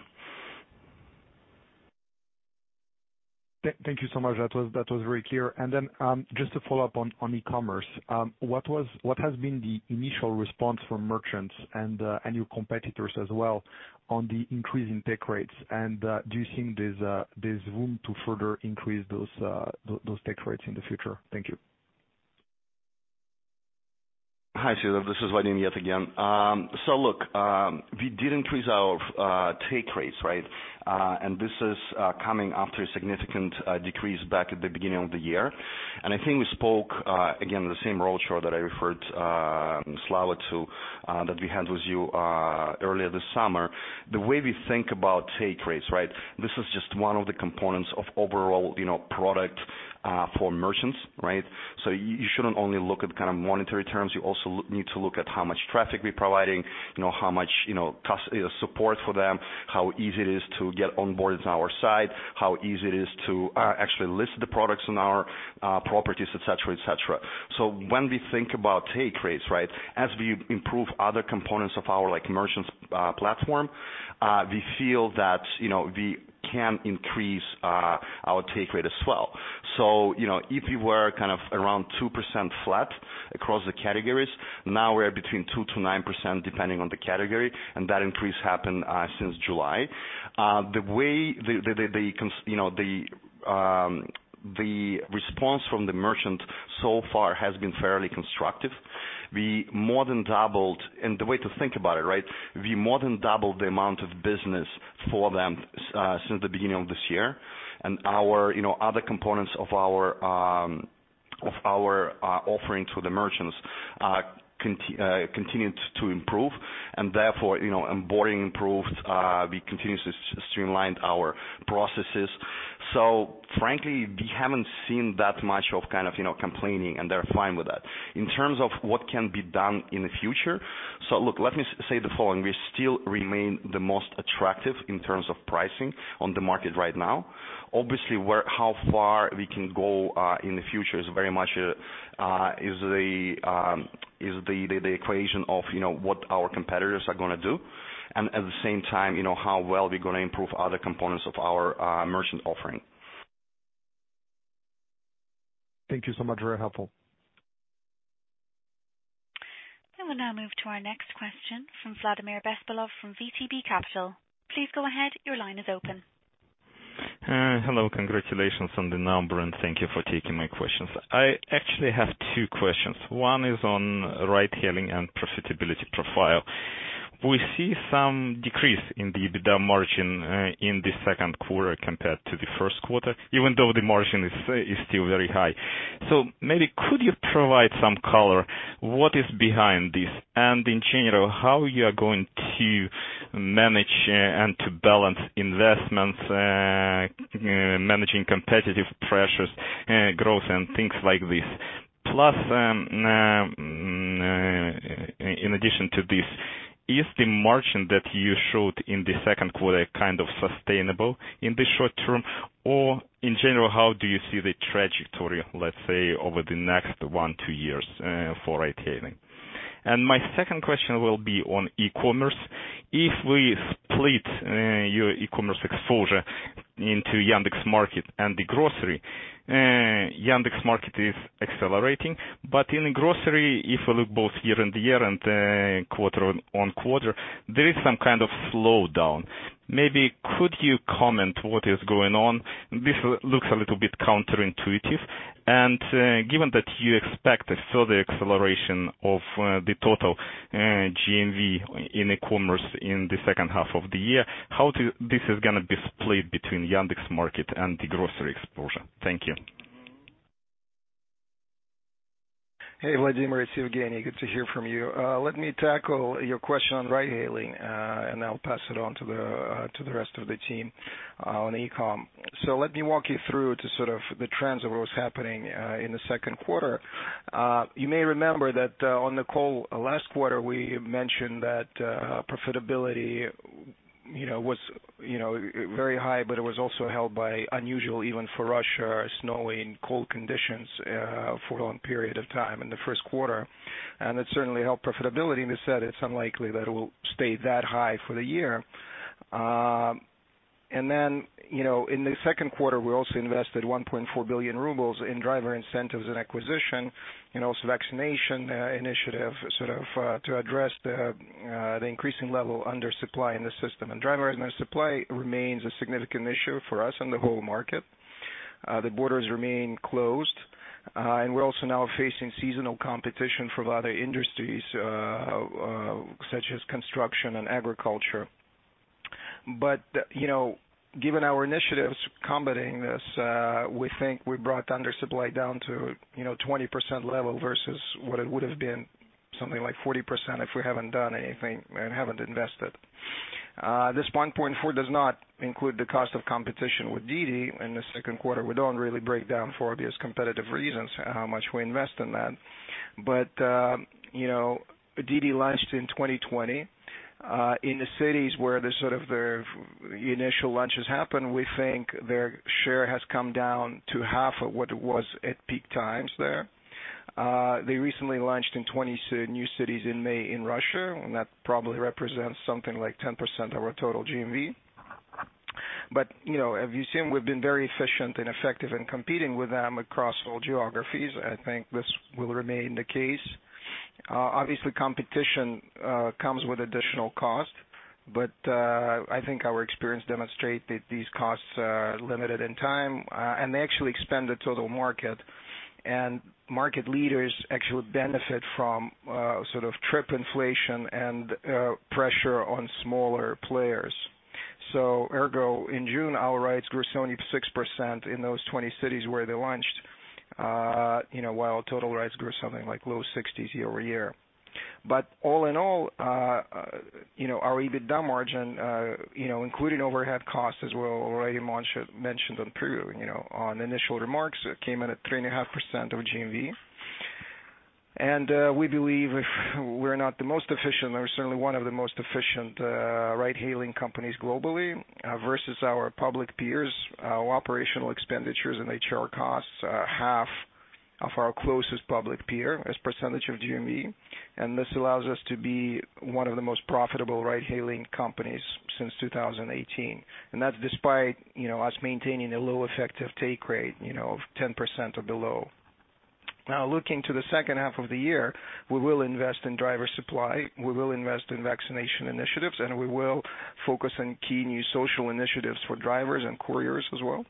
Speaker 8: Thank you so much. That was very clear. Just to follow up on e-commerce. What has been the initial response from merchants and your competitors as well on the increase in take rates? Do you think there's room to further increase those take rates in the future? Thank you.
Speaker 7: Hi, Cesar, this is Vadim yet again. Look, we did increase our take rates, right? This is coming after a significant decrease back at the beginning of the year. I think we spoke, again, the same roadshow that I referred Slava to, that we had with you earlier this summer. The way we think about take rates, this is just one of the components of overall product for merchants, right? You shouldn't only look at monetary terms. You also need to look at how much traffic we're providing, how much support for them, how easy it is to get onboarded on our site, how easy it is to actually list the products on our properties, et cetera. When we think about take rates, as we improve other components of our merchants platform, we feel that we can increase our take rate as well. If we were around 2% flat across the categories, now we're between 2%-9% depending on the category, and that increase happened since July. The response from the merchant so far has been fairly constructive. The way to think about it, we more than doubled the amount of business for them, since the beginning of this year. Other components of our offering to the merchants continued to improve and therefore, onboarding improved, we continuously streamlined our processes. Frankly, we haven't seen that much of complaining, and they're fine with that. In terms of what can be done in the future. Look, let me say the following. We still remain the most attractive in terms of pricing on the market right now. Obviously, how far we can go, in the future is very much the equation of what our competitors are going to do, and at the same time, how well we're going to improve other components of our merchant offering.
Speaker 8: Thank you so much. Very helpful.
Speaker 5: We'll now move to our next question from Vladimir Bespalov from VTB Capital. Please go ahead. Your line is open.
Speaker 9: Hello. Congratulations on the number. Thank you for taking my questions. I actually have two questions. One is on ride hailing and profitability profile. We see some decrease in the EBITDA margin in the second quarter compared to the first quarter, even though the margin is still very high. Maybe could you provide some color, what is behind this? In general, how you are going to manage and to balance investments, managing competitive pressures, growth and things like this. In addition to this, is the margin that you showed in the second quarter sustainable in the short term, or in general, how do you see the trajectory, let's say, over the next one, two years, for ride hailing? My second question will be on e-commerce. If we split your e-commerce exposure into Yandex Market and the grocery, Yandex Market is accelerating. In grocery, if we look both year-on-year and quarter-on-quarter, there is some kind of slowdown. Maybe could you comment what is going on? This looks a little bit counterintuitive. Given that you expect a further acceleration of the total GMV in e-commerce in the second half of the year, how this is going to be split between Yandex Market and the grocery exposure? Thank you.
Speaker 10: Hey, Vladimir, it's Yevgeny. Good to hear from you. Let me tackle your question on ride-hailing, and I'll pass it on to the rest of the team on e-com. Let me walk you through to sort of the trends of what was happening in the second quarter. You may remember that on the call last quarter, we mentioned that profitability was very high, but it was also held by unusual, even for Russia, snowy and cold conditions for a long period of time in the first quarter, and it certainly helped profitability. We said it's unlikely that it will stay that high for the year. In the second quarter, we also invested 1.4 billion rubles in driver incentives and acquisition, and also vaccination initiative to address the increasing level of undersupply in the system. Driver undersupply remains a significant issue for us and the whole market. The borders remain closed. We're also now facing seasonal competition from other industries, such as construction and agriculture. Given our initiatives combating this, we think we brought undersupply down to 20% level versus what it would have been something like 40% if we haven't done anything and haven't invested. This 1.4 does not include the cost of competition with DiDi in the second quarter. We don't really break down for obvious competitive reasons how much we invest in that. DiDi launched in 2020. In the cities where the initial launches happened, we think their share has come down to half of what it was at peak times there. They recently launched in 20 new cities in May in Russia, and that probably represents something like 10% of our total GMV. As you've seen, we've been very efficient and effective in competing with them across all geographies. I think this will remain the case. Obviously, competition comes with additional cost, but I think our experience demonstrate that these costs are limited in time, and they actually expand the total market. Market leaders actually benefit from trip inflation and pressure on smaller players. Ergo, in June, our rides grew 76% in those 20 cities where they launched, while total rides grew something like low 60s year over year. All in all, our EBITDA margin including overhead costs as well, already mentioned on initial remarks, came in at 3.5% of GMV. We believe if we're not the most efficient, we're certainly one of the most efficient ride-hailing companies globally versus our public peers. Our operational expenditures and HR costs are half of our closest public peer as percentage of GMV, this allows us to be one of the most profitable ride-hailing companies since 2018. That's despite us maintaining a low effective take rate of 10% or below. Now, looking to the second half of the year, we will invest in driver supply, we will invest in vaccination initiatives, and we will focus on key new social initiatives for drivers and couriers as well.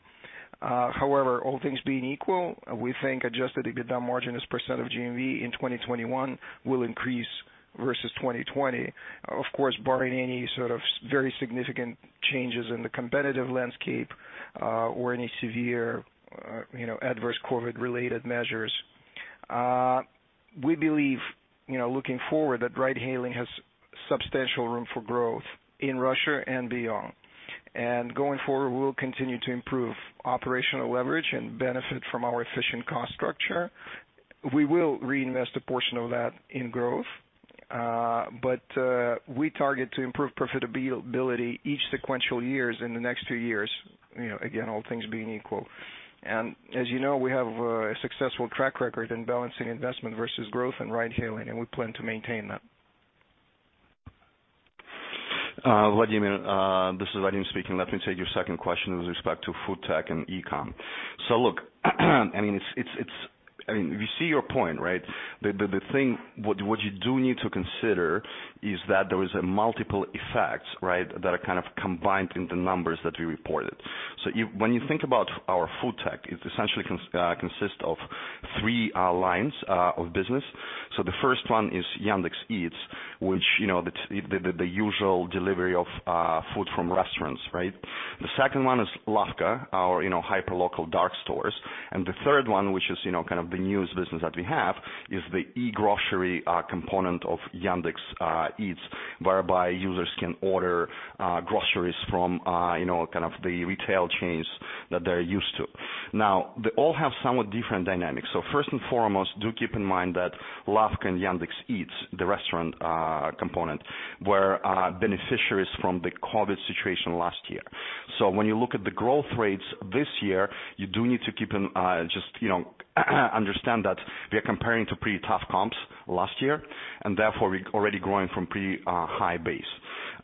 Speaker 10: However, all things being equal, we think adjusted EBITDA margin as % of GMV in 2021 will increase versus 2020. Of course, barring any sort of very significant changes in the competitive landscape, or any severe adverse COVID-related measures. We believe, looking forward, that ride-hailing has substantial room for growth in Russia and beyond. Going forward, we will continue to improve operational leverage and benefit from our efficient cost structure. We will reinvest a portion of that in growth. We target to improve profitability each sequential years in the next two years. Again, all things being equal. As you know, we have a successful track record in balancing investment versus growth in ride hailing, and we plan to maintain that.
Speaker 7: Vladimir, this is Vadim speaking. Let me take your 2nd question with respect to food tech and e-com. We see your point, right? What you do need to consider is that there is multiple effects, right, that are kind of combined in the numbers that we reported. When you think about our food tech, it essentially consists of three lines of business. The 1st one is Yandex Eats, which the usual delivery of food from restaurants, right? The 2nd one is Lavka, our hyperlocal dark stores. The 3rd one, which is the newest business that we have, is the e-grocery component of Yandex Eats, whereby users can order groceries from the retail chains that they're used to. They all have somewhat different dynamics. First and foremost, do keep in mind that Lavka and Yandex Eats, the restaurant component, were beneficiaries from the COVID situation last year. When you look at the growth rates this year, you do need to understand that we are comparing to pretty tough comps last year, and therefore we're already growing from pretty high base.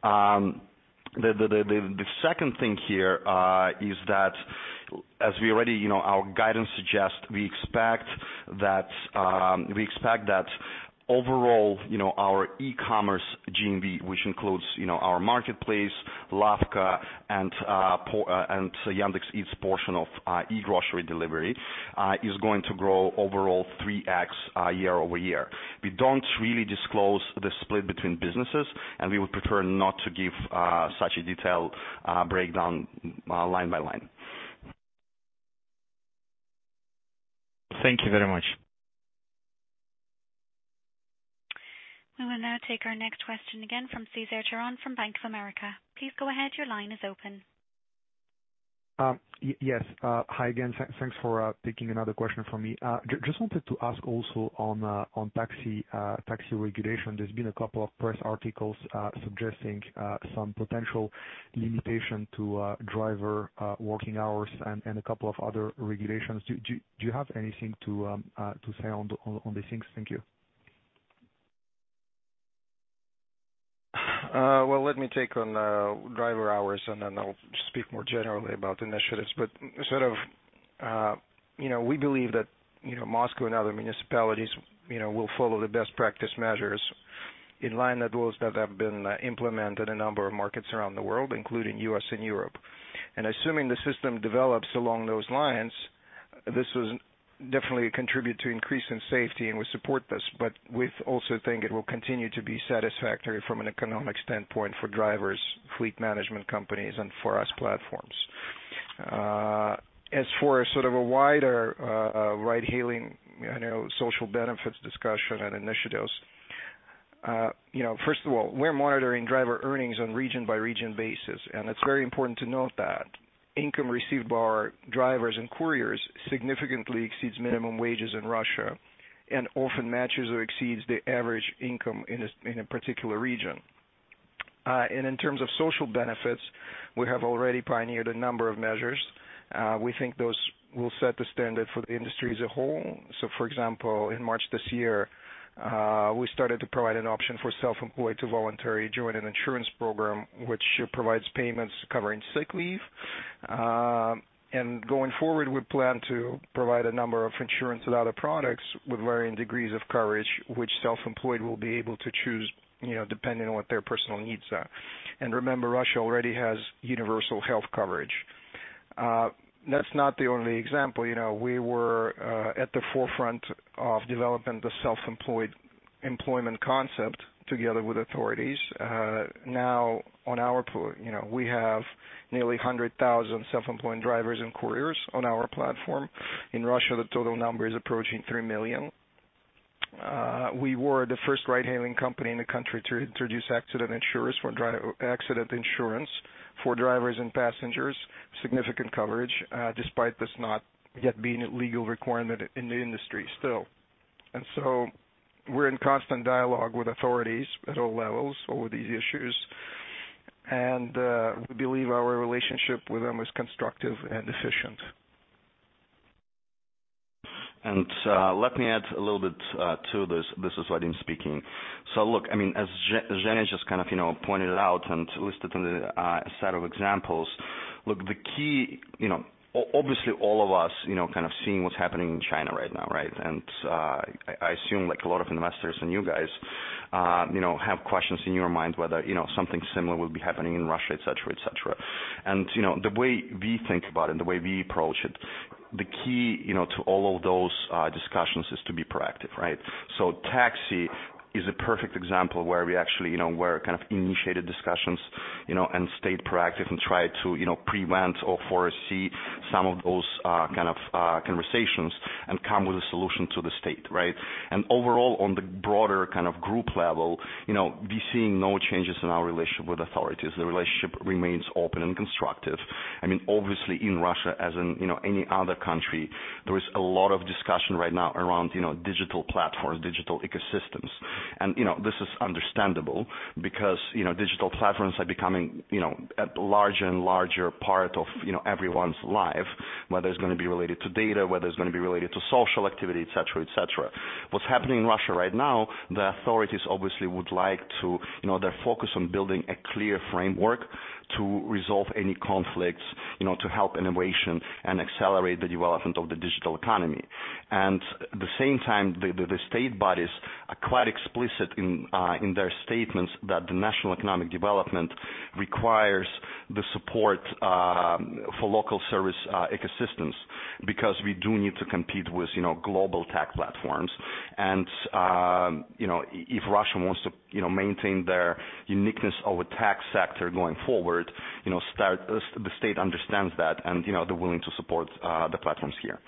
Speaker 7: The second thing here is that as our guidance suggests, we expect that overall our e-commerce GMV, which includes our marketplace, Lavka, and Yandex Eats portion of e-grocery delivery, is going to grow overall 3x year-over-year. We don't really disclose the split between businesses, we would prefer not to give such a detailed breakdown line by line.
Speaker 9: Thank you very much.
Speaker 5: We will now take our next question again from Cesar Tiron from Bank of America. Please go ahead. Your line is open.
Speaker 8: Yes. Hi again. Thanks for taking another question from me. Just wanted to ask also on taxi regulation. There's been a couple of press articles suggesting some potential limitation to driver working hours and a couple of other regulations. Do you have anything to say on these things? Thank you.
Speaker 10: Well, let me take on driver hours, and then I'll speak more generally about initiatives. We believe that Moscow and other municipalities will follow the best practice measures in line with rules that have been implemented in a number of markets around the world, including U.S. and Europe. Assuming the system develops along those lines, this will definitely contribute to increase in safety, and we support this. We also think it will continue to be satisfactory from an economic standpoint for drivers, fleet management companies, and for us platforms. As for a wider ride-hailing social benefits discussion and initiatives. First of all, we're monitoring driver earnings on region by region basis, and it's very important to note that income received by our drivers and couriers significantly exceeds minimum wages in Russia and often matches or exceeds the average income in a particular region. In terms of social benefits, we have already pioneered a number of measures. We think those will set the standard for the industry as a whole. For example, in March this year, we started to provide an option for self-employed to voluntarily join an insurance program, which provides payments covering sick leave. Going forward, we plan to provide a number of insurance and other products with varying degrees of coverage, which self-employed will be able to choose, depending on what their personal needs are. Remember, Russia already has universal health coverage. That's not the only example. We were at the forefront of developing the self-employed employment concept together with authorities. On our part, we have nearly 100,000 self-employed drivers and couriers on our platform. In Russia, the total number is approaching 3 million. We were the first ride-hailing company in the country to introduce accident insurance for drivers and passengers. Significant coverage, despite this not yet being a legal requirement in the industry still. We're in constant dialogue with authorities at all levels over these issues, and we believe our relationship with them is constructive and efficient.
Speaker 7: Let me add a little bit to this. This is Vadim speaking. Look, as Zhenya just pointed out and listed in the set of examples. Look, obviously all of us seeing what's happening in China right now, right? I assume a lot of investors and you guys have questions in your mind whether something similar will be happening in Russia, et cetera. The way we think about it and the way we approach it, the key to all of those discussions is to be proactive, right? Taxi is a perfect example where we actually initiated discussions and stayed proactive and tried to prevent or foresee some of those conversations and come with a solution to the state, right? Overall, on the broader group level, we're seeing no changes in our relationship with authorities. The relationship remains open and constructive. Obviously in Russia, as in any other country, there is a lot of discussion right now around digital platforms, digital ecosystems. This is understandable because digital platforms are becoming a larger and larger part of everyone's life, whether it's going to be related to data, whether it's going to be related to social activity, et cetera. What's happening in Russia right now, the authorities obviously they're focused on building a clear framework to resolve any conflicts, to help innovation and accelerate the development of the digital economy. At the same time, the state bodies are quite explicit in their statements that the national economic development requires the support for local service ecosystems, because we do need to compete with global tech platforms. If Russia wants to maintain their uniqueness of a tech sector going forward, the state understands that, and they're willing to support the platforms here.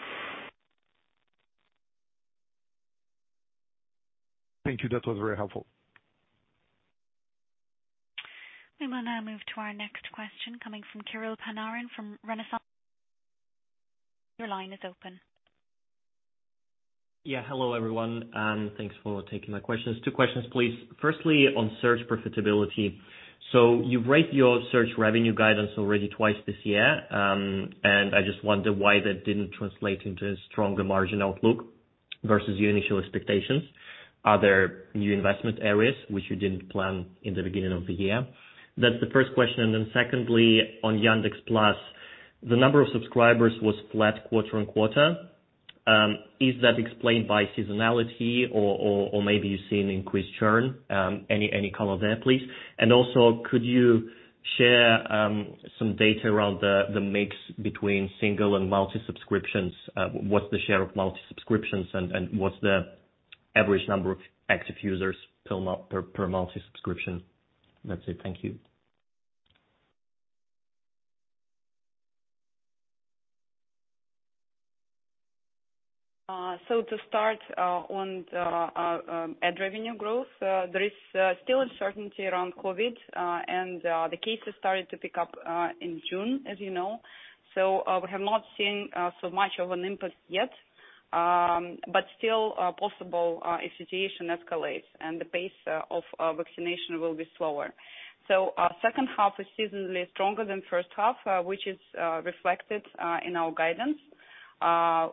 Speaker 8: Thank you. That was very helpful.
Speaker 5: We will now move to our next question coming from Kirill Panarin from Renaissance. Your line is open.
Speaker 11: Yeah. Hello, everyone, and thanks for taking my questions. Two questions, please. Firstly, on search profitability. You've raised your search revenue guidance already twice this year. I just wonder why that didn't translate into a stronger margin outlook versus your initial expectations. Are there new investment areas which you didn't plan in the beginning of the year? That's the first question. Secondly, on Yandex Plus, the number of subscribers was flat quarter on quarter. Is that explained by seasonality or maybe you've seen increased churn? Any comment there, please. Could you share some data around the mix between single and multi subscriptions? What's the share of multi subscriptions and what's the average number of active users per multi-subscription. That's it. Thank you.
Speaker 4: To start on the ad revenue growth, there is still uncertainty around COVID, and the cases started to pick up in June, as you know. We have not seen so much of an impact yet, but still possible if situation escalates and the pace of vaccination will be slower. Our second half is seasonally stronger than first half, which is reflected in our guidance.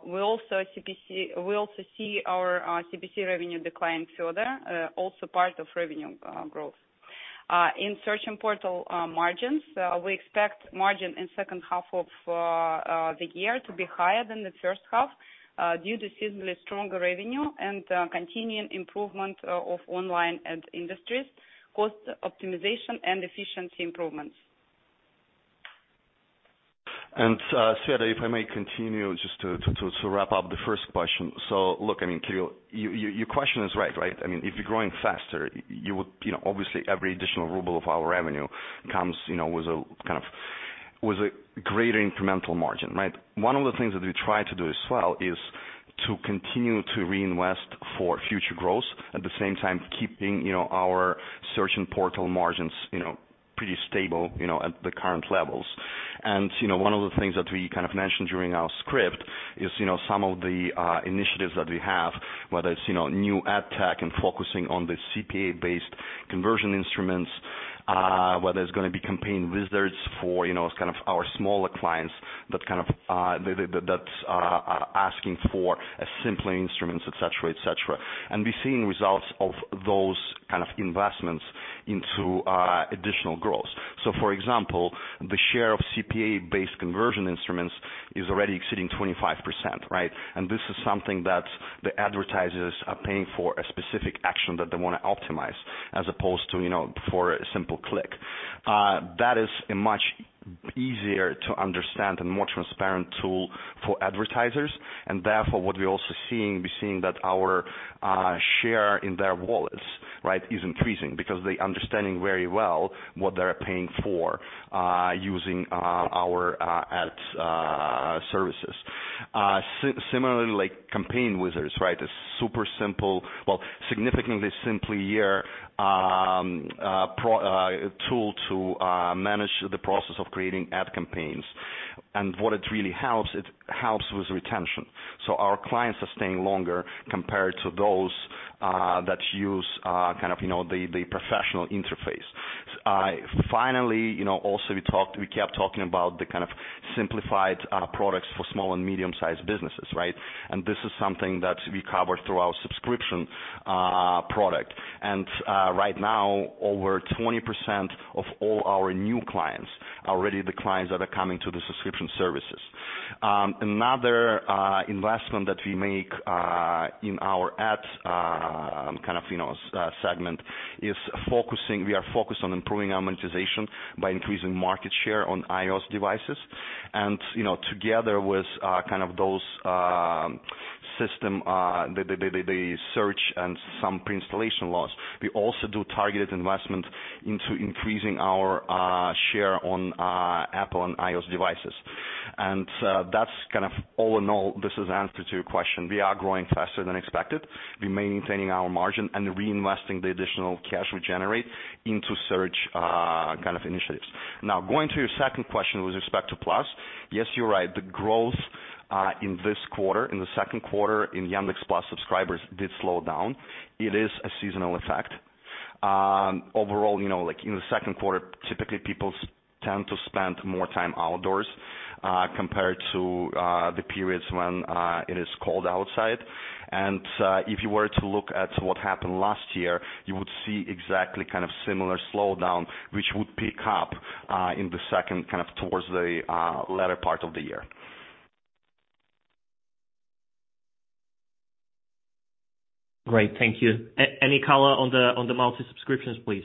Speaker 4: We also see our CPC revenue decline further, also part of revenue growth. In search and portal margins, we expect margin in second half of the year to be higher than the first half due to seasonally stronger revenue and continuing improvement of online ad industries, cost optimization, and efficiency improvements.
Speaker 7: Svetlana, if I may continue just to wrap up the first question. Look, I mean, Kirill, your question is right. If you're growing faster, obviously every additional 1 RUB of our revenue comes with a greater incremental margin, right? One of the things that we try to do as well is to continue to reinvest for future growth, at the same time keeping our search and portal margins pretty stable at the current levels. One of the things that we mentioned during our script is some of the initiatives that we have, whether it's new ad tech and focusing on the CPA-based conversion instruments, whether it's going to be Campaign Wizard for our smaller clients that are asking for simpler instruments, et cetera. We're seeing results of those kind of investments into additional growth. For example, the share of CPA-based conversion instruments is already exceeding 25%, right? This is something that the advertisers are paying for a specific action that they want to optimize as opposed to for a simple click. That is a much easier to understand and more transparent tool for advertisers. Therefore, what we're also seeing, we're seeing that our share in their wallets is increasing because they're understanding very well what they are paying for using our ads services. Similarly, like Campaign Wizard, right? A super simple, well, significantly simpler tool to manage the process of creating ad campaigns. What it really helps, it helps with retention. Our clients are staying longer compared to those that use the professional interface. Finally, also we kept talking about the simplified products for small and medium-sized businesses, right? This is something that we cover through our subscription product. Right now, over 20% of all our new clients are really the clients that are coming to the subscription services. Another investment that we make in our Ads segment is we are focused on improving our monetization by increasing market share on iOS devices. Together with the system, the search, and some pre-installation loss, we also do targeted investment into increasing our share on Apple and iOS devices. That's all in all, this is answer to your question. We are growing faster than expected. We're maintaining our margin and reinvesting the additional cash we generate into search initiatives. Now, going to your second question with respect to Plus. Yes, you're right. The growth in this quarter, in the second quarter in Yandex Plus subscribers did slow down. It is a seasonal effect. Overall, in the second quarter, typically people tend to spend more time outdoors, compared to the periods when it is cold outside. If you were to look at what happened last year, you would see exactly similar slowdown, which would pick up in the second, towards the latter part of the year.
Speaker 11: Great. Thank you. Any color on the multi-subscriptions, please?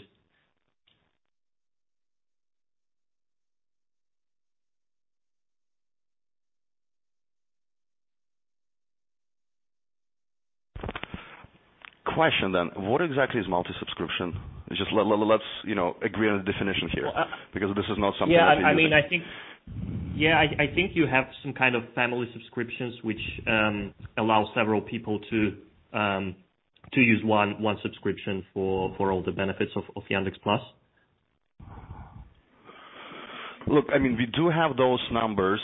Speaker 7: Question, what exactly is multi-subscription? Just let's agree on the definition here, because this is not something.
Speaker 11: Yeah. I think you have some kind of family subscriptions which allow several people to use one subscription for all the benefits of Yandex Plus.
Speaker 7: Look, we do have those numbers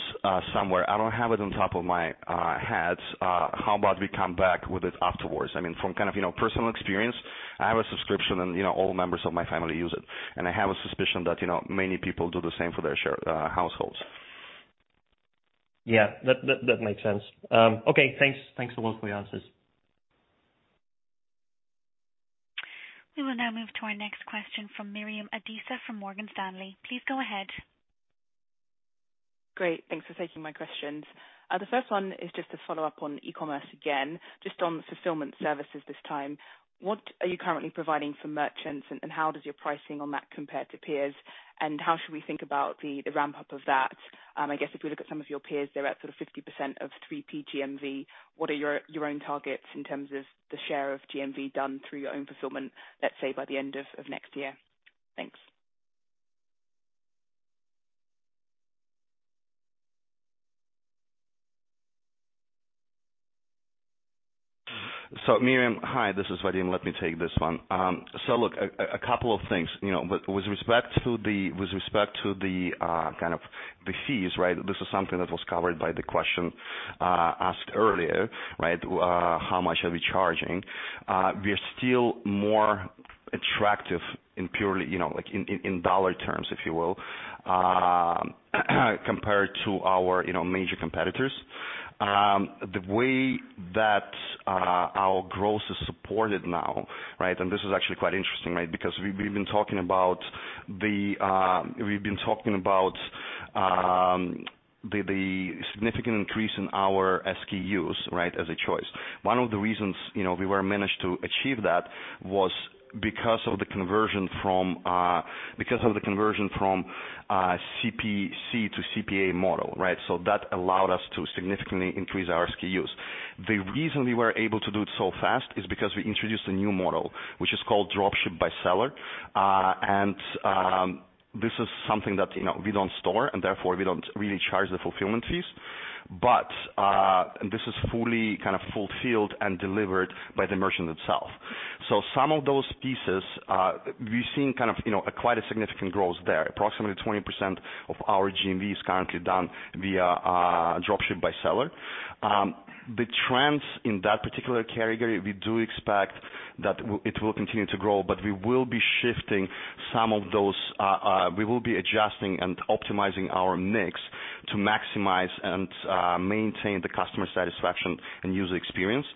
Speaker 7: somewhere. I don't have it on top of my head. How about we come back with it afterwards? From personal experience, I have a subscription and all members of my family use it, and I have a suspicion that many people do the same for their households.
Speaker 11: Yeah. That makes sense. Okay, thanks. Thanks a lot for your answers.
Speaker 5: We will now move to our next question from Miriam Adisa from Morgan Stanley. Please go ahead.
Speaker 12: Great. Thanks for taking my questions. The first one is just a follow-up on e-commerce again, just on fulfillment services this time. What are you currently providing for merchants and how does your pricing on that compare to peers? How should we think about the ramp-up of that? I guess if we look at some of your peers, they're at sort of 50% of 3P GMV. What are your own targets in terms of the share of GMV done through your own fulfillment, let's say, by the end of next year? Thanks.
Speaker 7: Miriam, hi, this is Vadim. Let me take this one. Look, a couple of things. With respect to the fees, this is something that was covered by the question asked earlier, right? How much are we charging? We are still more attractive in purely dollar terms, if you will, compared to our major competitors. The way that our growth is supported now. This is actually quite interesting. We've been talking about the significant increase in our SKUs as a choice. One of the reasons we were managed to achieve that was because of the conversion from CPC to CPA model. That allowed us to significantly increase our SKUs. The reason we were able to do it so fast is because we introduced a new model, which is called dropship by seller. This is something that we don't store, and therefore we don't really charge the fulfillment fees. This is fully fulfilled and delivered by the merchant itself. Some of those pieces, we've seen quite a significant growth there. Approximately 20% of our GMV is currently done via Dropship by Seller. The trends in that particular category, we do expect that it will continue to grow, but we will be adjusting and optimizing our mix to maximize and maintain the customer satisfaction and user experience,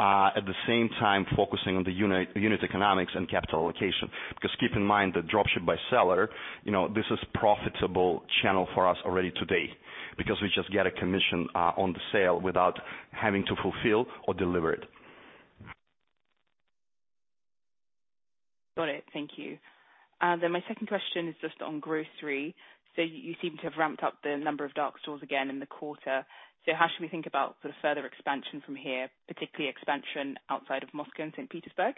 Speaker 7: at the same time focusing on the unit economics and capital allocation. Keep in mind that Dropship by Seller, this is profitable channel for us already today. We just get a commission on the sale without having to fulfill or deliver it.
Speaker 12: Got it. Thank you. My second question is just on grocery. You seem to have ramped up the number of dark stores again in the quarter. How should we think about further expansion from here, particularly expansion outside of Moscow and St. Petersburg?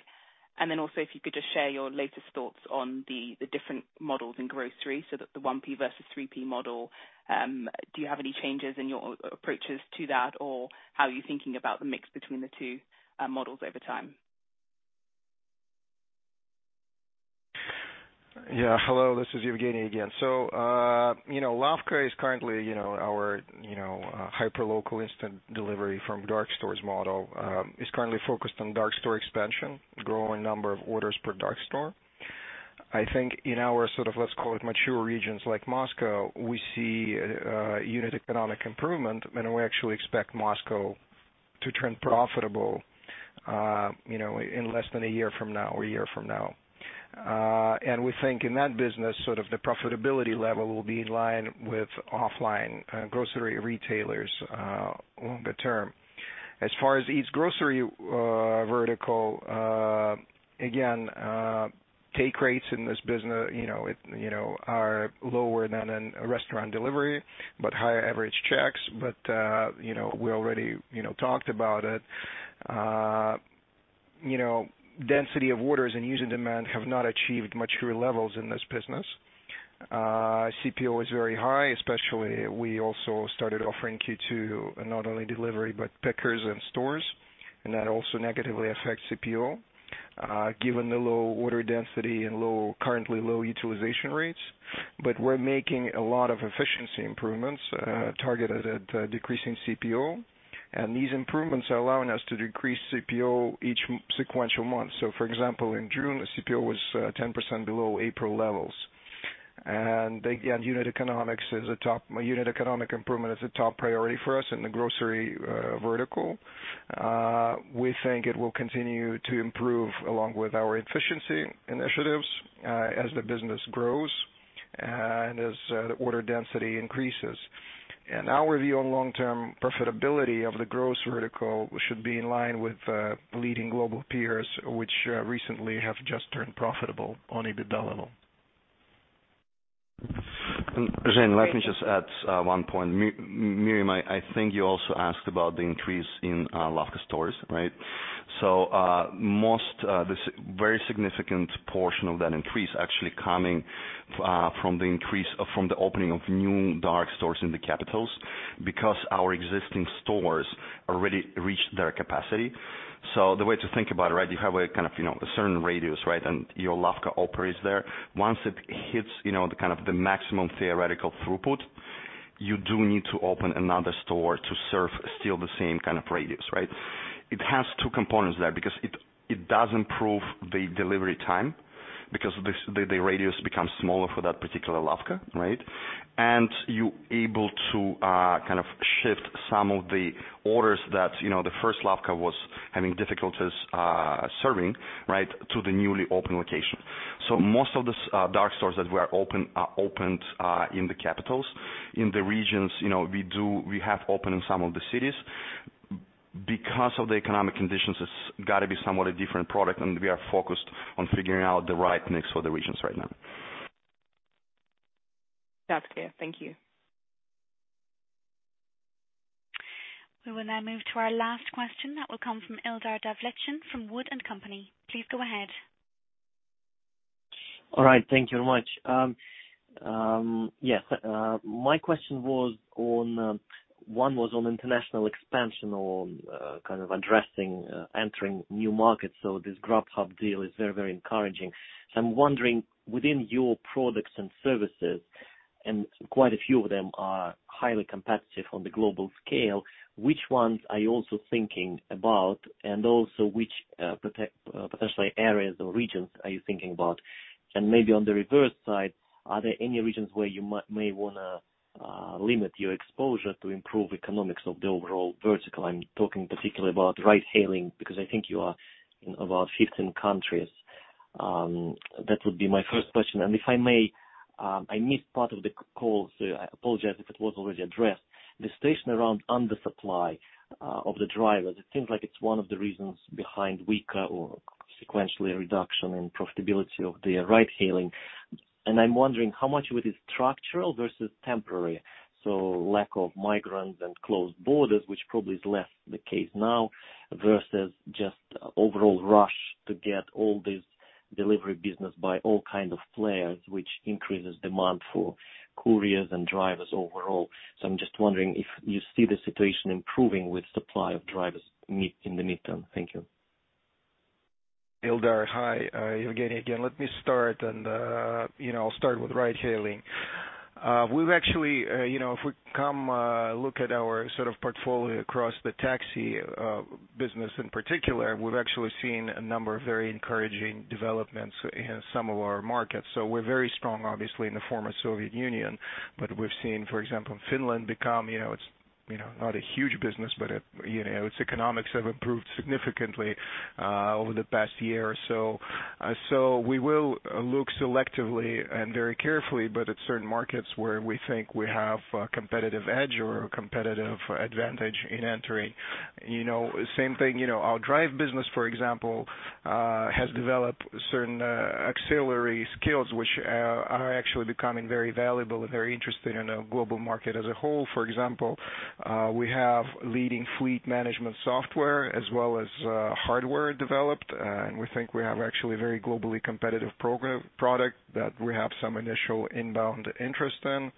Speaker 12: If you could just share your latest thoughts on the different models in grocery, the 1P versus 3P model. Do you have any changes in your approaches to that, or how are you thinking about the mix between the two models over time?
Speaker 10: Hello, this is Yevgeny again. Lavka is currently our hyperlocal instant delivery from dark stores model. It's currently focused on dark store expansion, growing number of orders per dark store. I think in our sort of, let's call it mature regions like Moscow, we see unit economic improvement, and we actually expect Moscow to turn profitable in less than a year from now, or a year from now. We think in that business, the profitability level will be in line with offline grocery retailers longer term. As far as Eats grocery vertical, again, take rates in this business are lower than in restaurant delivery, but higher average checks. We already talked about it. Density of orders and user demand have not achieved mature levels in this business. CPO is very high, especially we also started offering Q2, not only delivery, but pickers and stores, and that also negatively affects CPO, given the low order density and currently low utilization rates. We're making a lot of efficiency improvements targeted at decreasing CPO, and these improvements are allowing us to decrease CPO each sequential month. For example, in June, the CPO was 10% below April levels. Again, unit economic improvement is a top priority for us in the grocery vertical. We think it will continue to improve along with our efficiency initiatives as the business grows and as the order density increases. Our view on long-term profitability of the grocery vertical should be in line with leading global peers, which recently have just turned profitable on EBITDA level.
Speaker 7: Senderov, let me just add one point. Miriam, I think you also asked about the increase in Lavka stores, right? Very significant portion of that increase actually coming from the opening of new dark stores in the capitals, because our existing stores already reached their capacity. The way to think about it, you have a certain radius, and your Lavka operates there. Once it hits the maximum theoretical throughput, you do need to open another store to serve still the same kind of radius, right? It has two components there, because it does improve the delivery time because the radius becomes smaller for that particular Lavka. You're able to shift some of the orders that the first Lavka was having difficulties serving to the newly open location. Most of the dark stores that were opened are opened in the capitals. In the regions, we have opened in some of the cities. Because of the economic conditions, it's got to be somewhat a different product, and we are focused on figuring out the right mix for the regions right now.
Speaker 12: That's clear. Thank you.
Speaker 5: We will now move to our last question. That will come from Ildar Davletshin from WOOD & Company. Please go ahead.
Speaker 13: All right. Thank you very much. Yes. My question, one was on international expansion or kind of addressing entering new markets. This Grubhub deal is very encouraging. I'm wondering within your products and services, and quite a few of them are highly competitive on the global scale, which ones are you also thinking about and also which potentially areas or regions are you thinking about? Maybe on the reverse side, are there any regions where you may want to limit your exposure to improve economics of the overall vertical? I'm talking particularly about ride hailing because I think you are in about 15 countries. That would be my first question. If I may, I missed part of the call, so I apologize if it was already addressed. The situation around under supply of the drivers, it seems like it's one of the reasons behind weaker or sequentially reduction in profitability of the ride hailing. I'm wondering how much of it is structural versus temporary. Lack of migrants and closed borders, which probably is less the case now versus just overall rush to get all this delivery business by all kind of players, which increases demand for couriers and drivers overall. I'm just wondering if you see the situation improving with supply of drivers in the midterm. Thank you.
Speaker 10: Hi, Yevgeny again. Let me start and I'll start with ride-hailing. If we come look at our sort of portfolio across the taxi business in particular, we've actually seen a number of very encouraging developments in some of our markets. We're very strong, obviously in the former Soviet Union, but we've seen, for example, in Finland It's not a huge business, but its economics have improved significantly, over the past year or so. We will look selectively and very carefully, but at certain markets where we think we have a competitive edge or competitive advantage in entering. Same thing, our drive business, for example, has developed certain auxiliary skills which are actually becoming very valuable and very interested in a global market as a whole. For example, we have leading fleet management software as well as hardware developed. We think we have actually a very globally competitive product that we have some initial inbound interest in.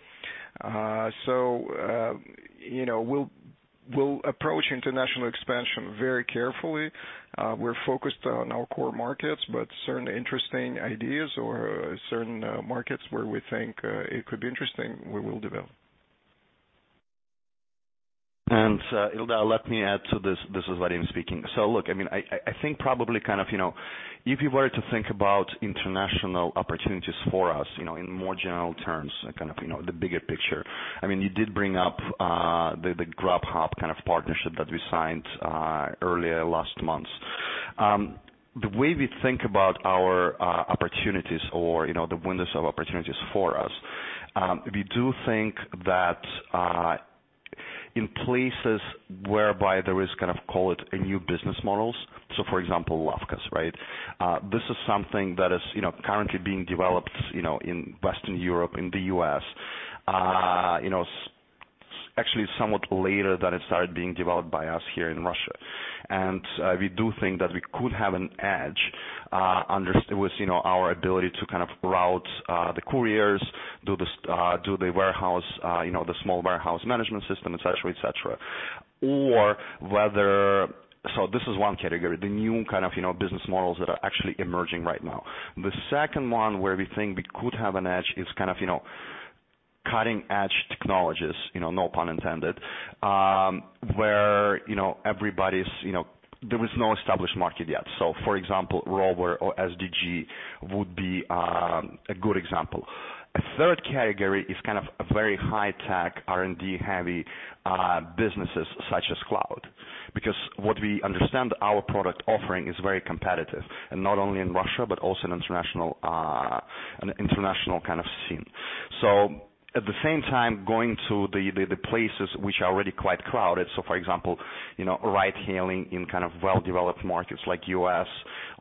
Speaker 10: We'll approach international expansion very carefully. We're focused on our core markets. Certain interesting ideas or certain markets where we think it could be interesting, will develop.
Speaker 7: Ildar, let me add to this. This is Vadim speaking. Look, I think probably if you were to think about international opportunities for us in more general terms, kind of the bigger picture. You did bring up the Grubhub kind of partnership that we signed earlier last month. The way we think about our opportunities or the windows of opportunities for us, we do think that in places whereby there is kind of, call it new business models. For example, Yandex Lavka, right? This is something that is currently being developed in Western Europe, in the U.S. Actually somewhat later than it started being developed by us here in Russia. We do think that we could have an edge with our ability to kind of route the couriers, do the small warehouse management system, et cetera. This is one category, the new kind of business models that are actually emerging right now. The second one where we think we could have an edge is cutting edge technologies, no pun intended, where there is no established market yet. For example, Yandex.Rover or SDG would be a good example. A third category is kind of a very high tech R&D heavy businesses such as cloud, because what we understand our product offering is very competitive and not only in Russia but also in an international kind of scene. At the same time going to the places which are already quite crowded. For example ride hailing in kind of well-developed markets like U.S.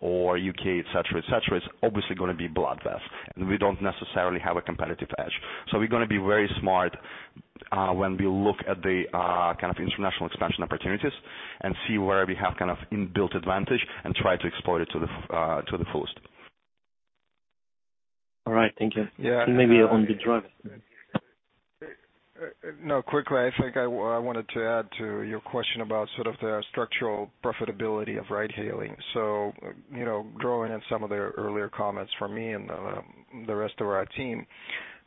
Speaker 7: or U.K., et cetera, is obviously going to be bloodbath, and we don't necessarily have a competitive edge. We're going to be very smart when we look at the kind of international expansion opportunities and see where we have kind of inbuilt advantage and try to exploit it to the fullest.
Speaker 13: All right. Thank you. Maybe on the drive.
Speaker 10: Quickly, I think I wanted to add to your question about sort of the structural profitability of ride hailing. Drawing in some of the earlier comments from me and the rest of our team,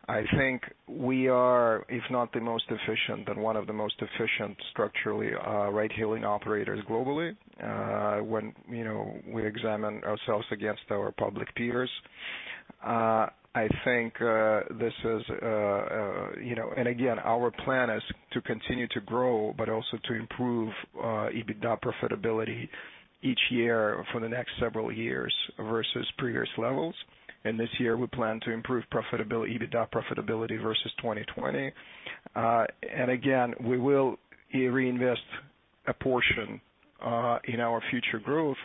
Speaker 10: I think we are, if not the most efficient, then one of the most efficient structurally ride hailing operators globally. When we examine ourselves against our public peers, and again, our plan is to continue to grow, but also to improve EBITDA profitability each year for the next several years versus previous levels. This year we plan to improve EBITDA profitability versus 2020. Again, we will reinvest a portion in our future growth.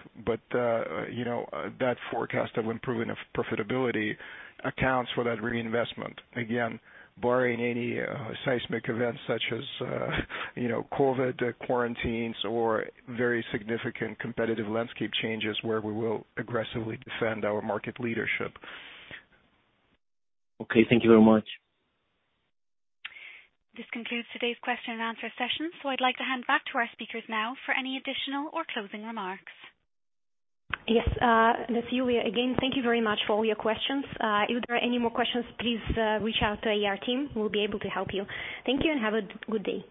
Speaker 10: That forecast of improving of profitability accounts for that reinvestment. Again, barring any seismic events such as COVID quarantines or very significant competitive landscape changes where we will aggressively defend our market leadership.
Speaker 13: Okay. Thank you very much.
Speaker 5: This concludes today's question-and-answer session. I'd like to hand back to our speakers now for any additional or closing remarks.
Speaker 1: Yes. This is Yulia again. Thank you very much for all your questions. If there are any more questions, please reach out to our team. We'll be able to help you. Thank you and have a good day.